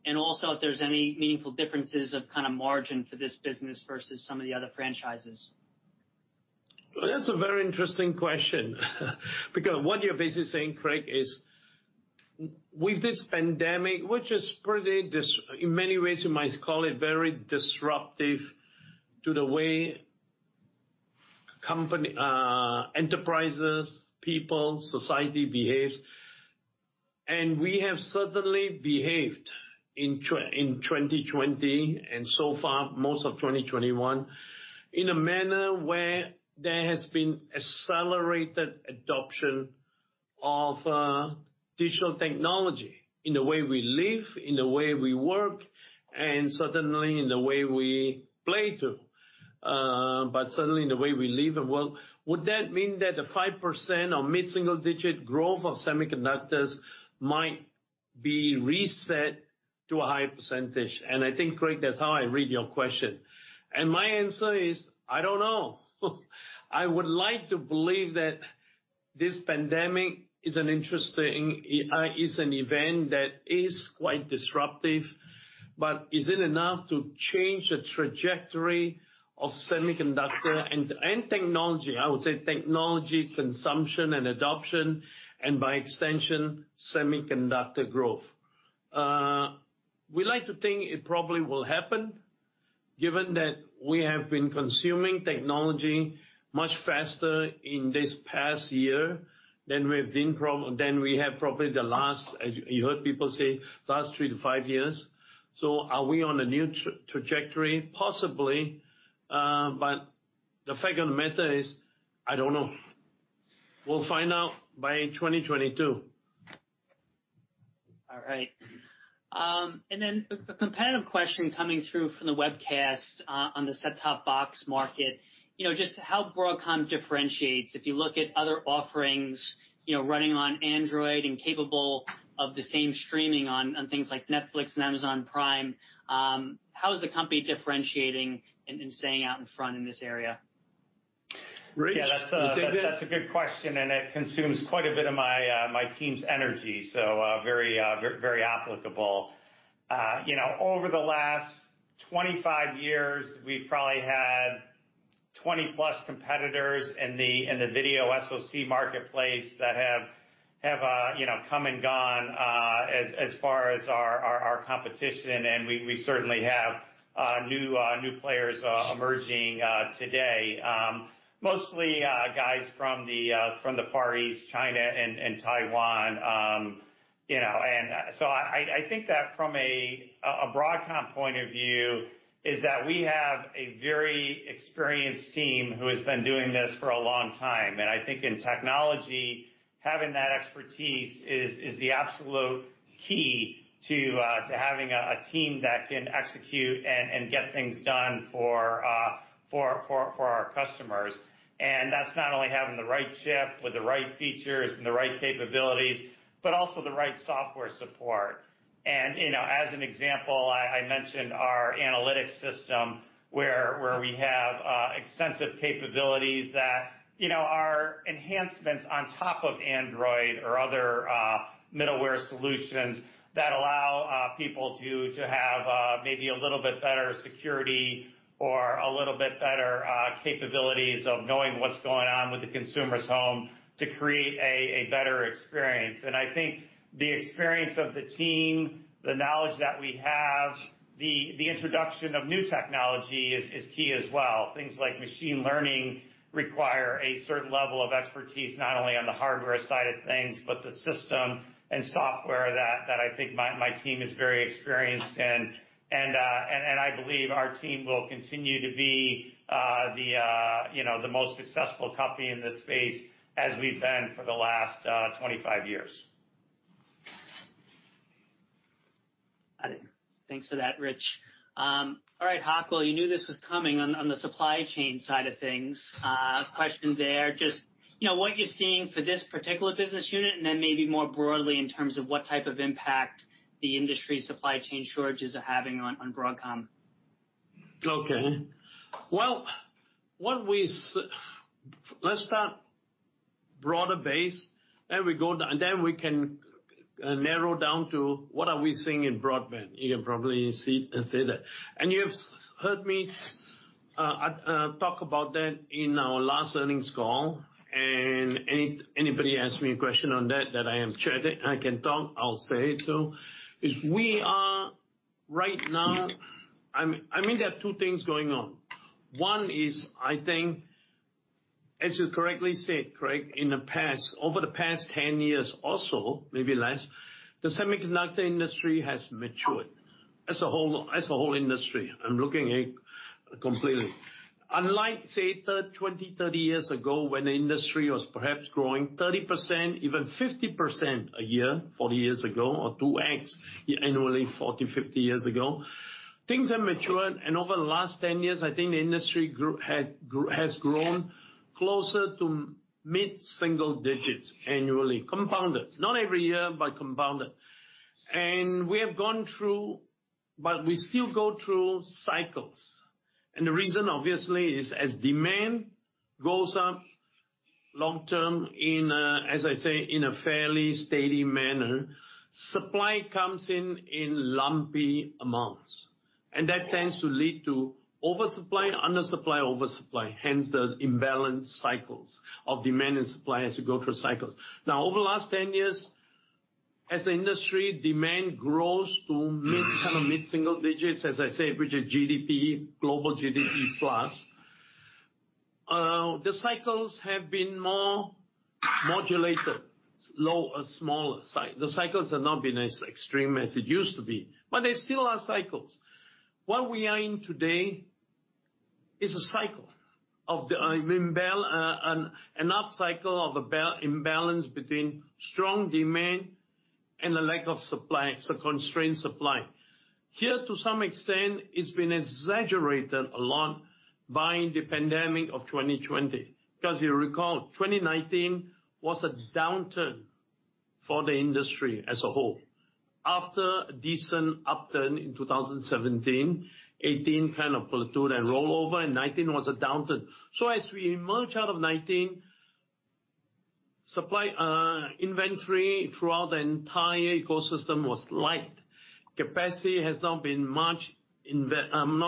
If there's any meaningful differences of margin for this business versus some of the other franchises? Well, that's a very interesting question. What you're basically saying, Craig, is with this pandemic, which is pretty, in many ways, you might call it very disruptive to the way enterprises, people, society behaves. We have certainly behaved in 2020 and so far, most of 2021, in a manner where there has been accelerated adoption of digital technology in the way we live, in the way we work, and certainly in the way we play too. Certainly in the way we live and work, would that mean that the 5% or mid-single digit growth of semiconductors might be reset to a higher percentage? I think, Craig, that's how I read your question. My answer is, I don't know. I would like to believe that this pandemic is an event that is quite disruptive, but is it enough to change the trajectory of semiconductor and technology? I would say technology consumption and adoption, and by extension, semiconductor growth. We like to think it probably will happen, given that we have been consuming technology much faster in this past year than we have probably the last, as you heard people say, last three to five years. Are we on a new trajectory? Possibly. The fact of the matter is, I don't know. We'll find out by 2022. All right. Then a competitive question coming through from the webcast on the set-top box market. Just how Broadcom differentiates if you look at other offerings running on Android and capable of the same streaming on things like Netflix and Amazon Prime. How is the company differentiating and staying out in front in this area? Rich, you take this. Yeah. That's a good question, and it consumes quite a bit of my team's energy, so very applicable. Over the last 25 years, we've probably had 20+ competitors in the video SoC marketplace that have come and gone as far as our competition. We certainly have new players emerging today. Mostly guys from the Far East, China, and Taiwan. I think that from a Broadcom point of view is that we have a very experienced team who has been doing this for a long time. I think in technology, having that expertise is the absolute key to having a team that can execute and get things done for our customers. That's not only having the right chip with the right features and the right capabilities, but also the right software support. As an example, I mentioned our Analytics System where we have extensive capabilities that are enhancements on top of Android or other middleware solutions that allow people to have maybe a little bit better security or a little bit better capabilities of knowing what's going on with the consumer's home to create a better experience. I think the experience of the team, the knowledge that we have, the introduction of new technology is key as well. Things like machine learning require a certain level of expertise, not only on the hardware side of things, but the system and software that I think my team is very experienced in. I believe our team will continue to be the most successful company in this space, as we've been for the last 25 years. Got it. Thanks for that, Rich. All right, Hock, well, you knew this was coming on the supply chain side of things. Question there, just what you're seeing for this particular business unit, and then maybe more broadly in terms of what type of impact the industry supply chain shortages are having on Broadcom. Okay. Well, let's start broader base, and then we can narrow down to what are we seeing in broadband. You can probably see and say that. You've heard me talk about that in our last earnings call, and anybody ask me a question on that I am sure I can talk, I'll say it too. I mean, there are two things going on. One is, I think, as you correctly said, Craig, over the past 10 years or so, maybe less, the semiconductor industry has matured as a whole industry. I'm looking completely. Unlike, say, 20, 30 years ago, when the industry was perhaps growing 30%, even 50% a year 40 years ago, or 2x annually 40, 50 years ago, things have matured, and over the last 10 years, I think the industry has grown closer to mid-single digits annually, compounded. Not every year, but compounded. We have gone through, but we still go through cycles, and the reason obviously is as demand goes up long term in, as I say, in a fairly steady manner, supply comes in in lumpy amounts. That tends to lead to oversupply, undersupply, oversupply, hence the imbalance cycles of demand and supply as you go through cycles. Over the last 10 years, as the industry demand grows to kind of mid-single digits, as I say, which is global GDP plus, the cycles have been more modulated, low or smaller. The cycles have not been as extreme as it used to be, but there still are cycles. What we are in today is a cycle, an upcycle of imbalance between strong demand and a lack of supply, it's a constrained supply. Here, to some extent, it's been exaggerated a lot by the pandemic of 2020. You'll recall 2019 was a downturn for the industry as a whole. After a decent upturn in 2017, 2018 kind of plateaued and roll over, 2019 was a downturn. As we emerge out of 2019, supply inventory throughout the entire ecosystem was light. Not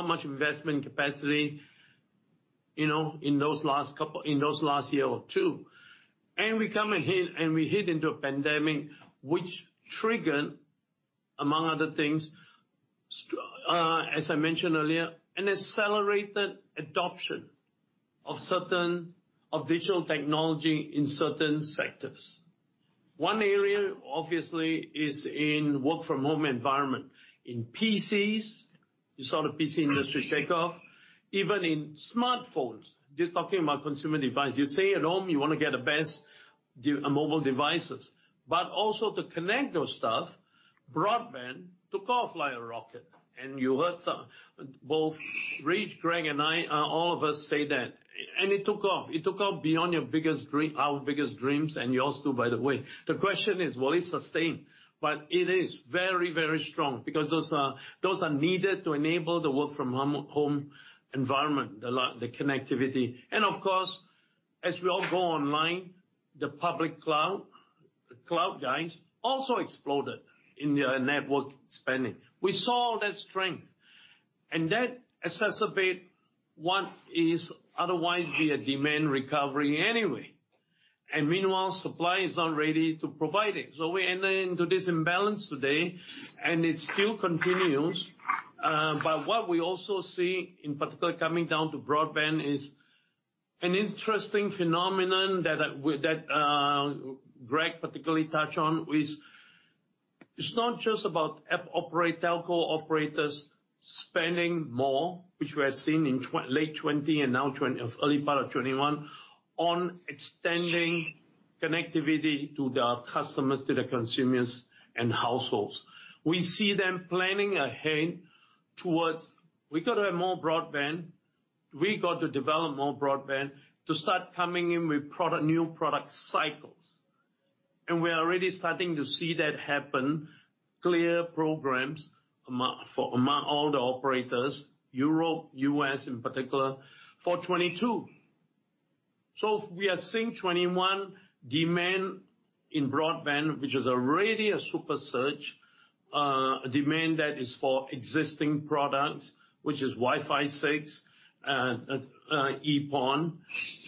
much investment capacity in those last year or two. We hit into a pandemic, which triggered, among other things, as I mentioned earlier, an accelerated adoption of digital technology in certain sectors. One area, obviously, is in work from home environment. In PCs, you saw the PC industry take off. Even in smartphones, just talking about consumer device. You stay at home, you want to get the best mobile devices. Also to connect those stuff, broadband took off like a rocket, and you heard both Rich, Greg, and I, all of us say that. It took off. It took off beyond our biggest dreams and yours too, by the way. The question is, will it sustain? It is very, very strong because those are needed to enable the work from home environment, the connectivity. Of course, as we all go online, the public cloud, the cloud guys also exploded in their network spending. We saw all that strength, and that exacerbate what is otherwise be a demand recovery anyway. Meanwhile, supply is not ready to provide it. We enter into this imbalance today, and it still continues. What we also see in particular coming down to broadband is an interesting phenomenon that Greg particularly touched on is it's not just about telco operators spending more, which we have seen in late 2020 and now early part of 2021, on extending connectivity to their customers, to their consumers and households. We see them planning ahead towards. We got to have more broadband. We got to develop more broadband to start coming in with new product cycles. We are already starting to see that happen, clear programs among all the operators, Europe, U.S. in particular, for 2022. We are seeing 2021 demand in broadband, which is already a super surge, a demand that is for existing products, which is Wi-Fi 6, EPON, 2.5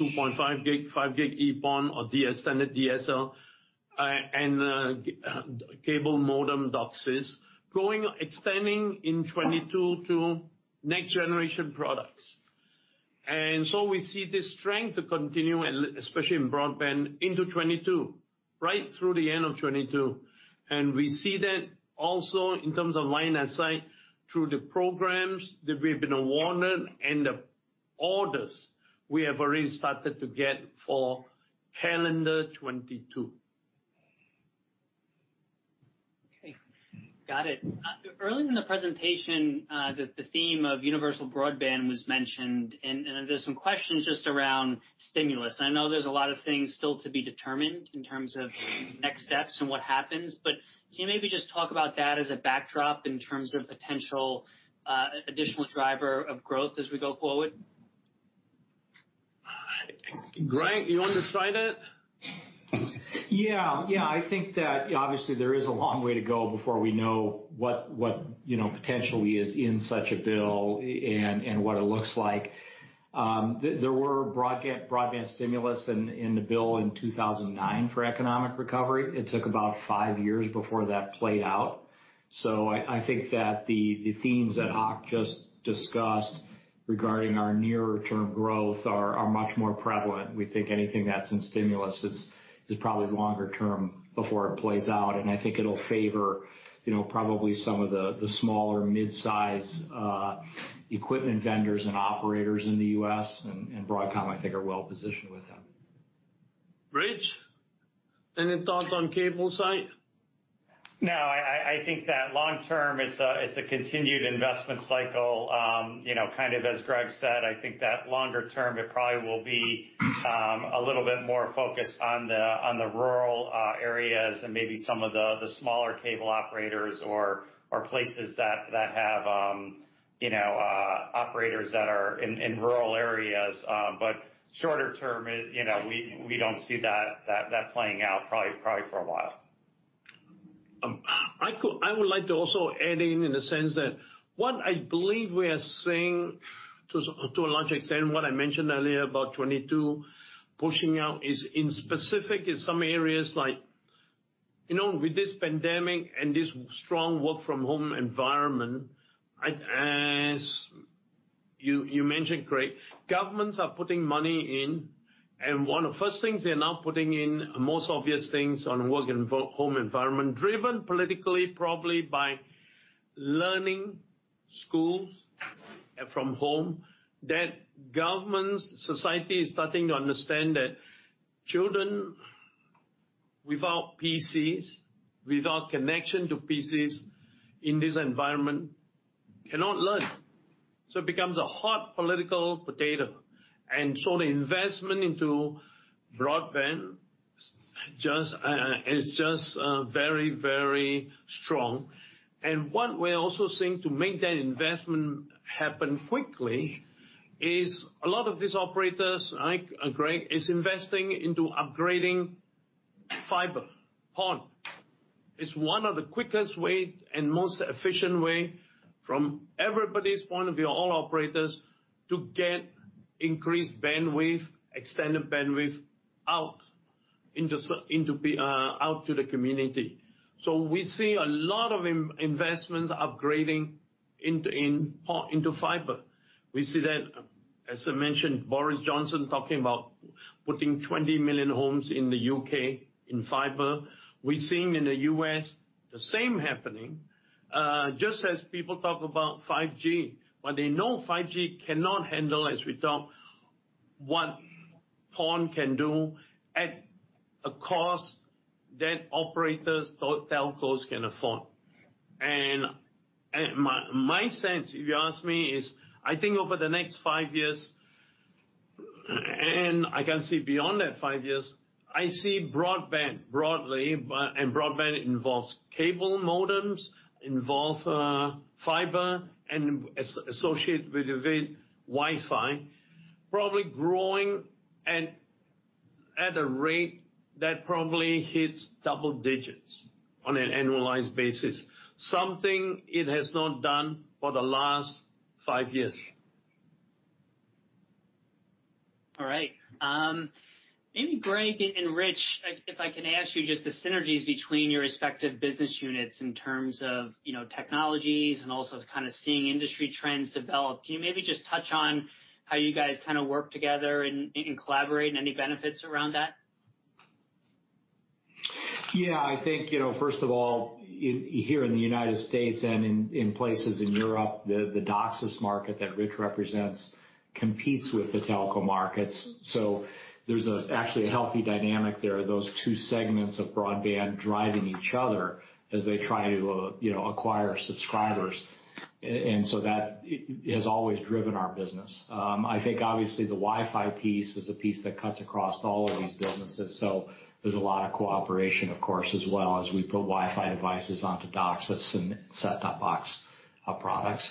Gb, 5 Gb EPON or standard DSL, and cable modem DOCSIS, extending in 2022 to next-generation products. We see this strength continue, especially in broadband, into 2022, right through the end of 2022. We see that also in terms of line of sight through the programs that we've been awarded and the orders we have already started to get for calendar 2022. Okay. Got it. Early in the presentation, the theme of universal broadband was mentioned, and there's some questions just around stimulus. I know there's a lot of things still to be determined in terms of next steps and what happens, but can you maybe just talk about that as a backdrop in terms of potential additional driver of growth as we go forward? Greg, you want to try that? Yeah. I think that obviously there is a long way to go before we know what potentially is in such a bill and what it looks like. There were broadband stimulus in the bill in 2009 for economic recovery. It took about five years before that played out. I think that the themes that Hock just discussed regarding our nearer term growth are much more prevalent. We think anything that's in stimulus is probably longer term before it plays out, and I think it'll favor probably some of the smaller mid-size equipment vendors and operators in the U.S., and Broadcom, I think, are well-positioned with them. Rich, any thoughts on cable side? I think that long term, it's a continued investment cycle. Kind of as Greg said, I think that longer term, it probably will be a little bit more focused on the rural areas and maybe some of the smaller cable operators or places that have operators that are in rural areas. Shorter term, we don't see that playing out, probably for a while. I would like to also add in the sense that what I believe we are seeing to a large extent, what I mentioned earlier about 2022 pushing out is in specific in some areas like, with this pandemic and this strong work from home environment, as you mentioned, Greg, governments are putting money in. One of the first things they're now putting in, the most obvious things on work and home environment, driven politically probably by learning, schools from home, that governments, society is starting to understand that children without PCs, without connection to PCs in this environment cannot learn. It becomes a hot political potato. The investment into broadband is just very strong. What we're also seeing to make that investment happen quickly is a lot of these operators, like Greg, is investing into upgrading fiber, PON. It's one of the quickest way and most efficient way from everybody's point of view, all operators, to get increased bandwidth, extended bandwidth out to the community. We see a lot of investments upgrading PON into fiber. We see that, as I mentioned, Boris Johnson talking about putting 20 million homes in the U.K. in fiber. We're seeing in the U.S. the same happening. Just as people talk about 5G, they know 5G cannot handle, as we talk, what PON can do at a cost that operators, telcos can afford. My sense, if you ask me, is I think over the next five years, and I can see beyond that five years, I see broadband broadly, and broadband involves cable modems, involve fiber, and associated with Wi-Fi, probably growing at a rate that probably hits double digits on an annualized basis, something it has not done for the last five years. All right. Maybe Greg and Rich, if I can ask you just the synergies between your respective business units in terms of technologies and also kind of seeing industry trends develop. Can you maybe just touch on how you guys work together and collaborate, and any benefits around that? Yeah. I think, first of all, here in the U.S. and in places in Europe, the DOCSIS market that Rich represents competes with the telco markets. There's actually a healthy dynamic there, those two segments of broadband driving each other as they try to acquire subscribers. That has always driven our business. I think obviously the Wi-Fi piece is a piece that cuts across all of these businesses. There's a lot of cooperation, of course, as well, as we put Wi-Fi devices onto DOCSIS and set-top box products.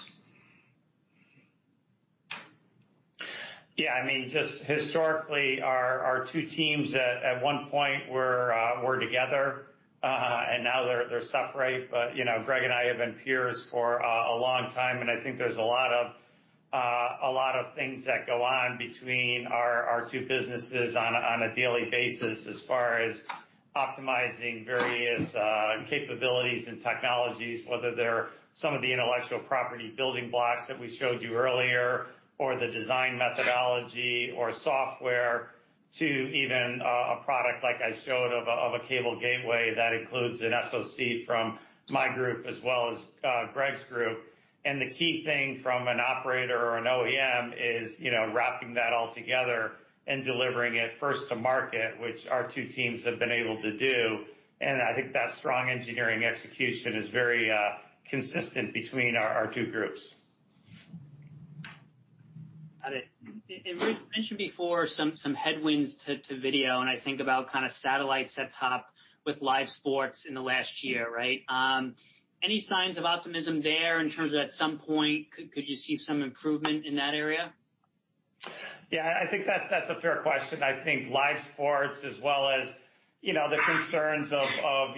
Yeah. Just historically, our two teams at one point were together, and now they're separate. Greg and I have been peers for a long time, and I think there's a lot of things that go on between our two businesses on a daily basis as far as optimizing various capabilities and technologies, whether they're some of the intellectual property building blocks that we showed you earlier, or the design methodology, or software to even a product like I showed of a cable gateway that includes an SoC from my group as well as Greg's group. The key thing from an operator or an OEM is wrapping that all together and delivering it first to market, which our two teams have been able to do. I think that strong engineering execution is very consistent between our two groups. Got it. Rich, you mentioned before some headwinds to video, and I think about satellite set-top with live sports in the last year, right? Any signs of optimism there in terms of, at some point, could you see some improvement in that area? Yeah, I think that's a fair question. I think live sports as well as the concerns of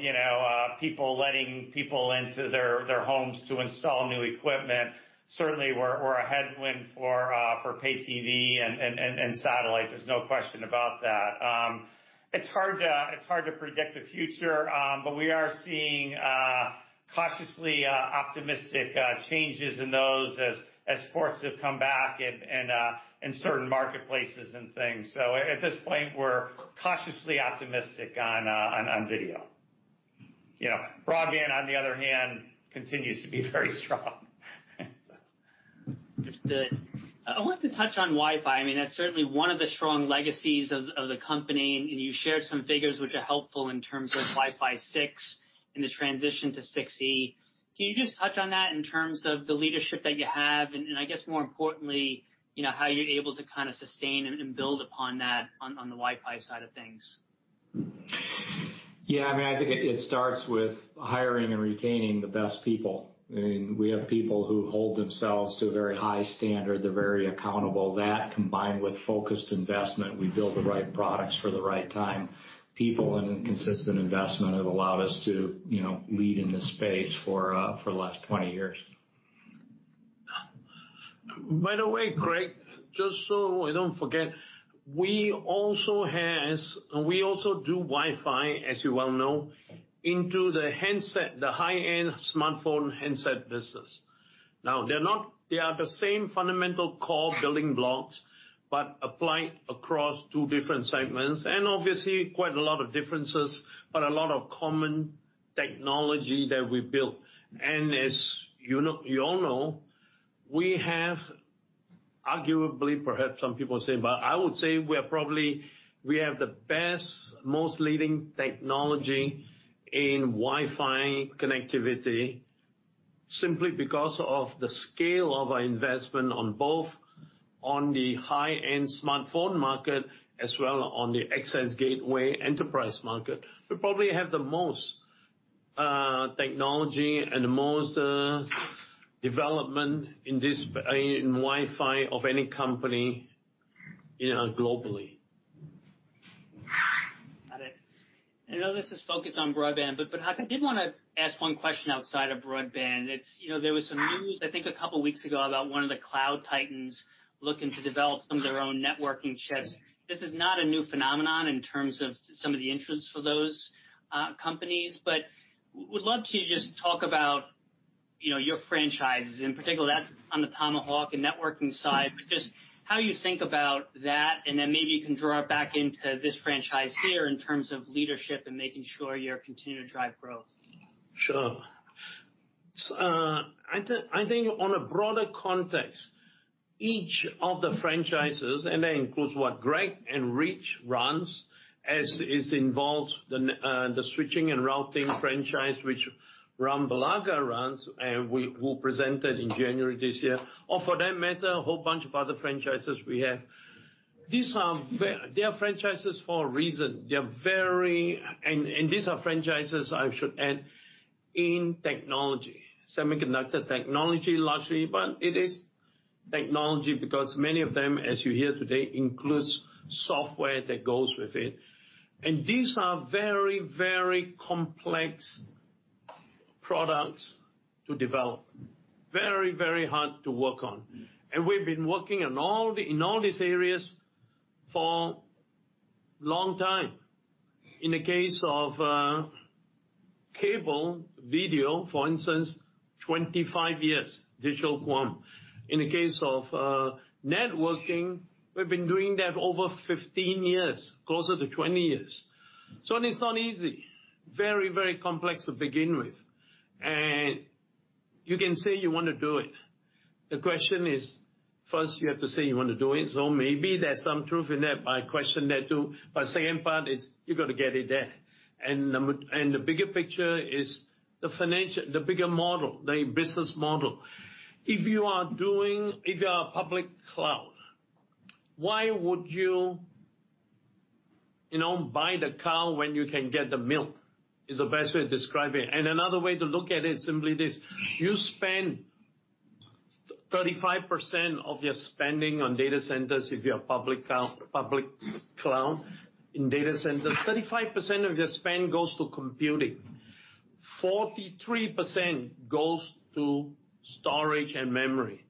letting people into their homes to install new equipment certainly were a headwind for pay TV and satellite. There's no question about that. We are seeing cautiously optimistic changes in those as sports have come back in certain marketplaces and things. At this point, we're cautiously optimistic on video. Broadband, on the other hand, continues to be very strong. Understood. I wanted to touch on Wi-Fi. That is certainly one of the strong legacies of the company, and you shared some figures which are helpful in terms of Wi-Fi 6 and the transition to Wi-Fi 6E. Can you just touch on that in terms of the leadership that you have, and I guess more importantly, how you are able to sustain and build upon that on the Wi-Fi side of things? Yeah. I think it starts with hiring and retaining the best people. We have people who hold themselves to a very high standard. They're very accountable. That, combined with focused investment, we build the right products for the right time. People and consistent investment have allowed us to lead in this space for the last 20 years. By the way, Craig, just so I don't forget, we also do Wi-Fi, as you well know, into the handset, the high-end smartphone handset business. They are the same fundamental core building blocks, but applied across two different segments. Obviously, quite a lot of differences, but a lot of common technology that we built. As you all know, we have arguably, perhaps some people say, but I would say we have the best, most leading technology in Wi-Fi connectivity simply because of the scale of our investment on both on the high-end smartphone market as well on the access gateway enterprise market. We probably have the most technology and the most development in Wi-Fi of any company globally. Got it. I know this is focused on broadband, but Hock, I did want to ask one question outside of broadband. There was some news, I think a couple of weeks ago, about one of the cloud titans looking to develop some of their own networking chips. This is not a new phenomenon in terms of some of the interests for those companies, but would love to just talk about your franchises, in particular on the Tomahawk and networking side, but just how you think about that, and then maybe you can draw it back into this franchise here in terms of leadership and making sure you continue to drive growth. Sure. I think on a broader context, each of the franchises, and that includes what Greg and Rich runs, as is involved the switching and routing franchise, which Ram Velaga runs, and we presented in January this year. For that matter, a whole bunch of other franchises we have. They are franchises for a reason. These are franchises, I should add, in technology, semiconductor technology, largely, but it is technology because many of them, as you hear today, includes software that goes with it. These are very complex products to develop. Very hard to work on. We've been working in all these areas for long time. In the case of cable video, for instance, 25 years, digital QAM. In the case of networking, we've been doing that over 15 years, closer to 20 years. It's not easy. Very complex to begin with. You can say you want to do it. The question is, first, you have to say you want to do it, so maybe there's some truth in that. I question that, too. Second part is you got to get it there. The bigger picture is the bigger model, the business model. If you are a public cloud, why would you buy the cow when you can get the milk? Is the best way to describe it. Another way to look at it, simply this. You spend 35% of your spending on data centers if you're a public cloud in data centers. 35% of your spend goes to computing. 43% goes to storage and memory.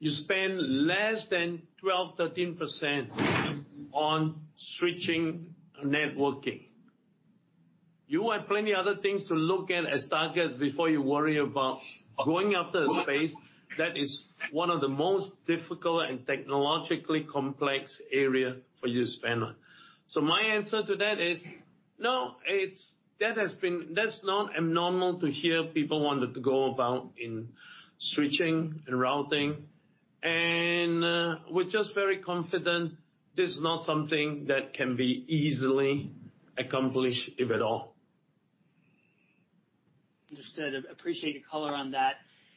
You spend less than 12%, 13% on switching networking. You have plenty other things to look at as targets before you worry about going after a space that is one of the most difficult and technologically complex area for you to spend on. My answer to that is, no, that's not abnormal to hear people wanted to go about in switching and routing. We're just very confident this is not something that can be easily accomplished, if at all. Understood. Appreciate your color on that.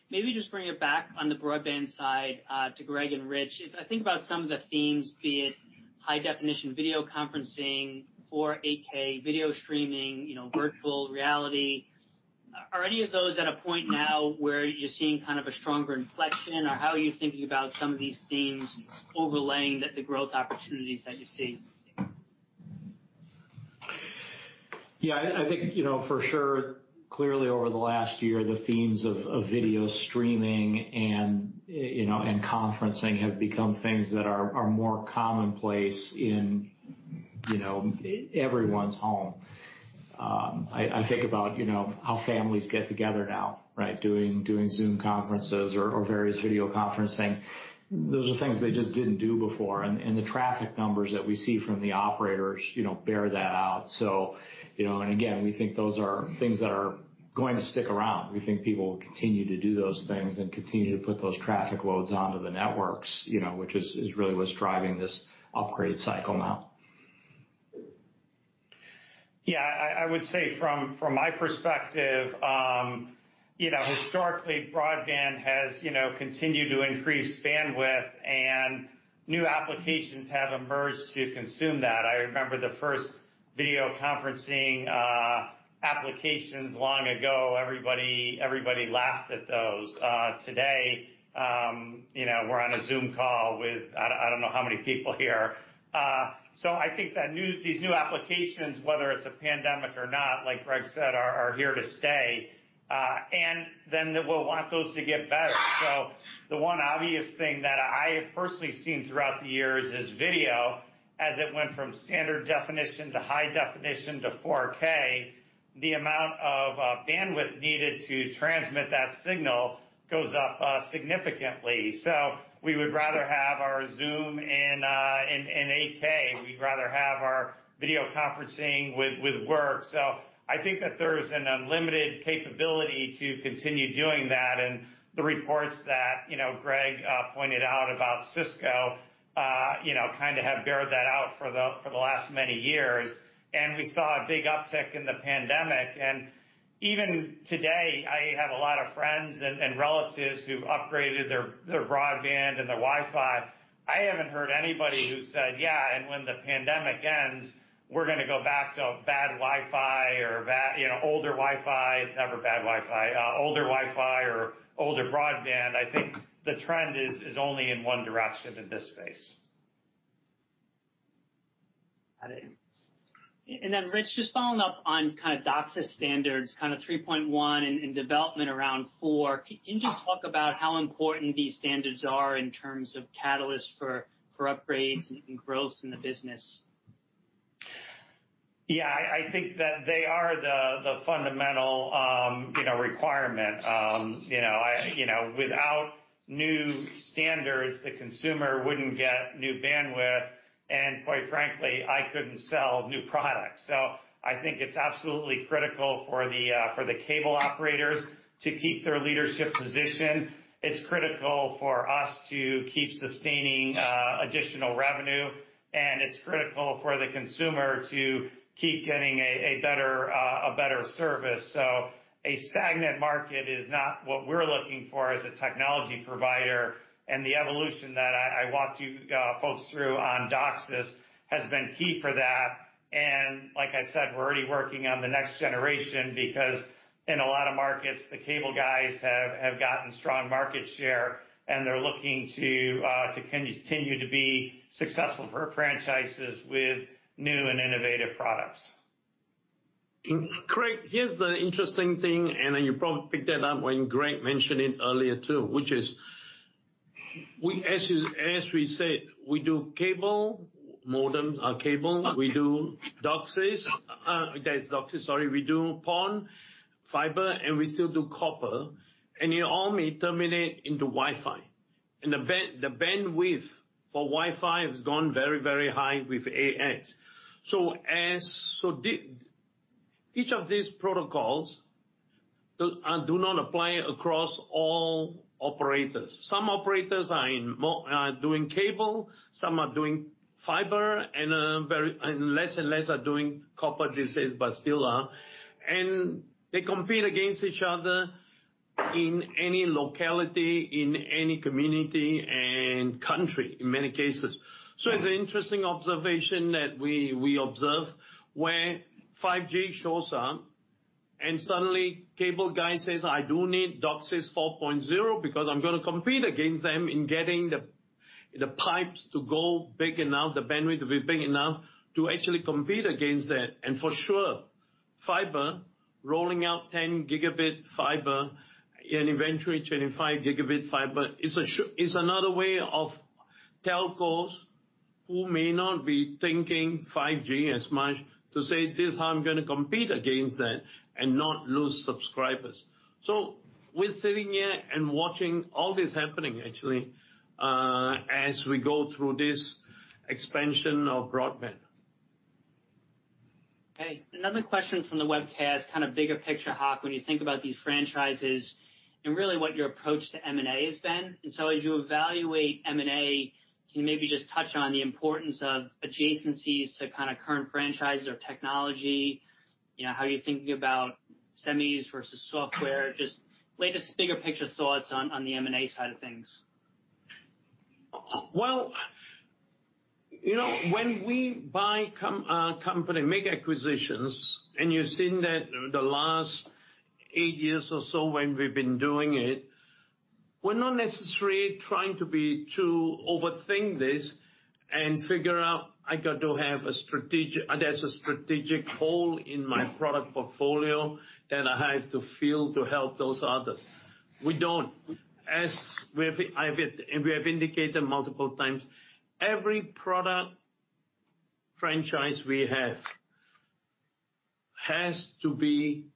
Maybe just bring it back on the broadband side to Greg and Rich. If I think about some of the themes, be it high definition video conferencing, 4K video streaming, virtual reality. Are any of those at a point now where you're seeing a stronger inflection, or how are you thinking about some of these themes overlaying the growth opportunities that you see? Yeah, I think for sure, clearly over the last year, the themes of video streaming and conferencing have become things that are more commonplace in everyone's home. I think about how families get together now, doing Zoom conferences or various video conferencing. Those are things they just didn't do before, and the traffic numbers that we see from the operators bear that out. Again, we think those are things that are going to stick around. We think people will continue to do those things and continue to put those traffic loads onto the networks, which is really what's driving this upgrade cycle now. I would say from my perspective, historically, broadband has continued to increase bandwidth and new applications have emerged to consume that. I remember the first video conferencing applications long ago. Everybody laughed at those. Today, we're on a Zoom call with I don't know how many people here. I think these new applications, whether it's a pandemic or not, like Greg said, are here to stay. Then we'll want those to get better. The one obvious thing that I have personally seen throughout the years is video, as it went from standard definition to high definition to 4K. The amount of bandwidth needed to transmit that signal goes up significantly. We would rather have our Zoom in 8K. We'd rather have our video conferencing with work. I think that there's an unlimited capability to continue doing that, and the reports that Greg pointed out about Cisco have bore that out for the last many years. We saw a big uptick in the pandemic. Even today, I have a lot of friends and relatives who've upgraded their broadband and their Wi-Fi. I haven't heard anybody who said, "Yeah, and when the pandemic ends, we're going to go back to a bad Wi-Fi or older Wi-Fi." It's never bad Wi-Fi. Older Wi-Fi or older broadband, I think the trend is only in one direction in this space. Rich, just following up on DOCSIS standards, 3.1 and development around 4. Can you just talk about how important these standards are in terms of catalyst for upgrades and growth in the business? Yeah, I think that they are the fundamental requirement. Without new standards, the consumer wouldn't get new bandwidth, and quite frankly, I couldn't sell new products. I think it's absolutely critical for the cable operators to keep their leadership position. It's critical for us to keep sustaining additional revenue, and it's critical for the consumer to keep getting a better service. A stagnant market is not what we're looking for as a technology provider, and the evolution that I walked you folks through on DOCSIS has been key for that. Like I said, we're already working on the next generation because in a lot of markets, the cable guys have gotten strong market share and they're looking to continue to be successful for franchises with new and innovative products. Craig, here's the interesting thing, then you probably picked that up when Greg mentioned it earlier, too, which is, as we said, we do cable modem. We do DOCSIS. That is DOCSIS, sorry. We do PON, fiber, and we still do copper. They all may terminate into Wi-Fi. The bandwidth for Wi-Fi has gone very, very high with AX. Each of these protocols do not apply across all operators. Some operators are doing cable, some are doing fiber, and less are doing copper these days, but still are. They compete against each other in any locality, in any community, and country, in many cases. It's an interesting observation that we observe where 5G shows up and suddenly cable guy says, "I do need DOCSIS 4.0 because I'm going to compete against them in getting the pipes to go big enough, the bandwidth to be big enough to actually compete against that." For sure, fiber, rolling out 10 Gb fiber and eventually 25 Gb fiber is another way of telcos who may not be thinking 5G as much to say, "This is how I'm going to compete against that and not lose subscribers." We're sitting here and watching all this happening actually as we go through this expansion of broadband. Okay. Another question from the webcast, bigger picture, Hock, when you think about these franchises and really what your approach to M&A has been. As you evaluate M&A, can you maybe just touch on the importance of adjacencies to current franchises or technology? How are you thinking about semis versus software? Just lay bigger picture thoughts on the M&A side of things. Well, when we buy a company, make acquisitions, and you've seen that the last eight years or so when we've been doing it, we're not necessarily trying to overthink this and figure out, there's a strategic hole in my product portfolio that I have to fill to help those others. We don't. As we have indicated multiple times, every product franchise we have has to be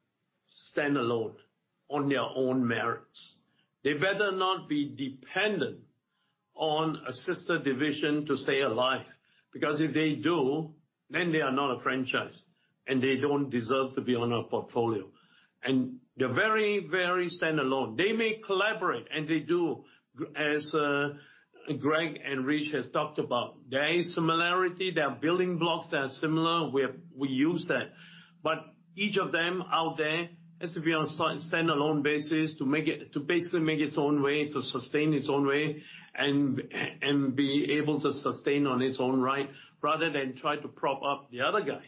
standalone on their own merits. They better not be dependent on a sister division to stay alive, because if they do, then they are not a franchise, and they don't deserve to be on our portfolio. They're very standalone. They may collaborate, and they do, as Greg and Rich has talked about. There is similarity. There are building blocks that are similar. We use that. Each of them out there has to be on a standalone basis to basically make its own way, to sustain its own way, and be able to sustain on its own right, rather than try to prop up the other guy.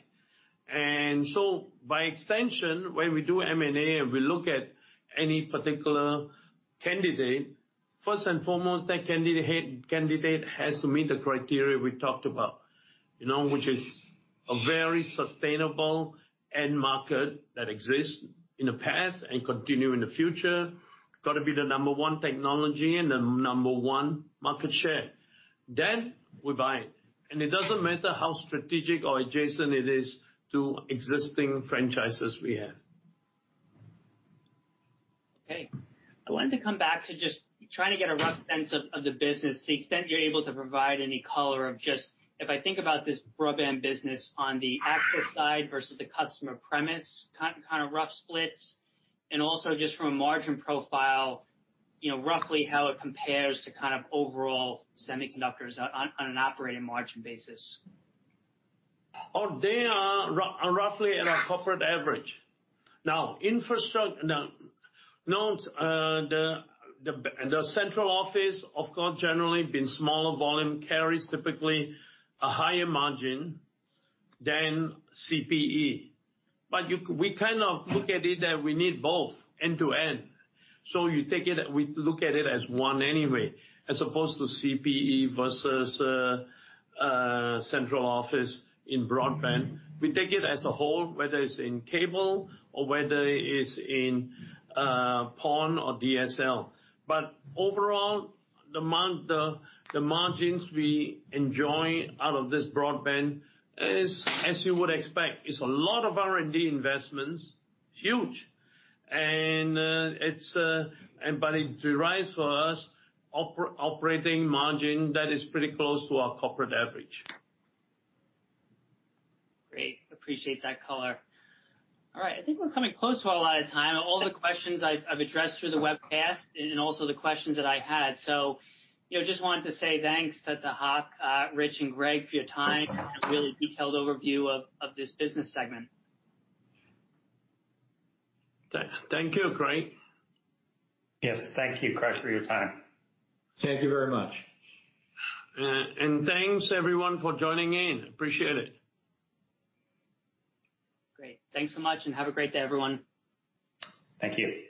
By extension, when we do M&A and we look at any particular candidate, first and foremost, that candidate has to meet the criteria we talked about, which is a very sustainable end market that exists in the past and continue in the future. Got to be the number one technology and the number one market share. We buy it. It doesn't matter how strategic or adjacent it is to existing franchises we have. I wanted to come back to just trying to get a rough sense of the business to the extent you're able to provide any color of just, if I think about this broadband business on the access side versus the customer premise, rough splits, and also just from a margin profile, roughly how it compares to overall semiconductors on an operating margin basis. Oh, they are roughly at our corporate average. The central office, of course, generally been smaller volume, carries typically a higher margin than CPE. We look at it that we need both end-to-end. We look at it as one anyway, as opposed to CPE versus central office in broadband. We take it as a whole, whether it's in cable or whether it is in PON or DSL. Overall, the margins we enjoy out of this broadband is as you would expect. It's a lot of R&D investments, huge. It derives for us operating margin that is pretty close to our corporate average. Great. Appreciate that color. All right. I think we're coming close to our allotted time. All the questions I've addressed through the webcast and also the questions that I had. Just wanted to say thanks to Hock, Rich, and Greg for your time and really detailed overview of this business segment. Thank you, Craig. Yes. Thank you, Craig, for your time. Thank you very much. Thanks everyone for joining in. Appreciate it. Great. Thanks so much and have a great day, everyone. Thank you.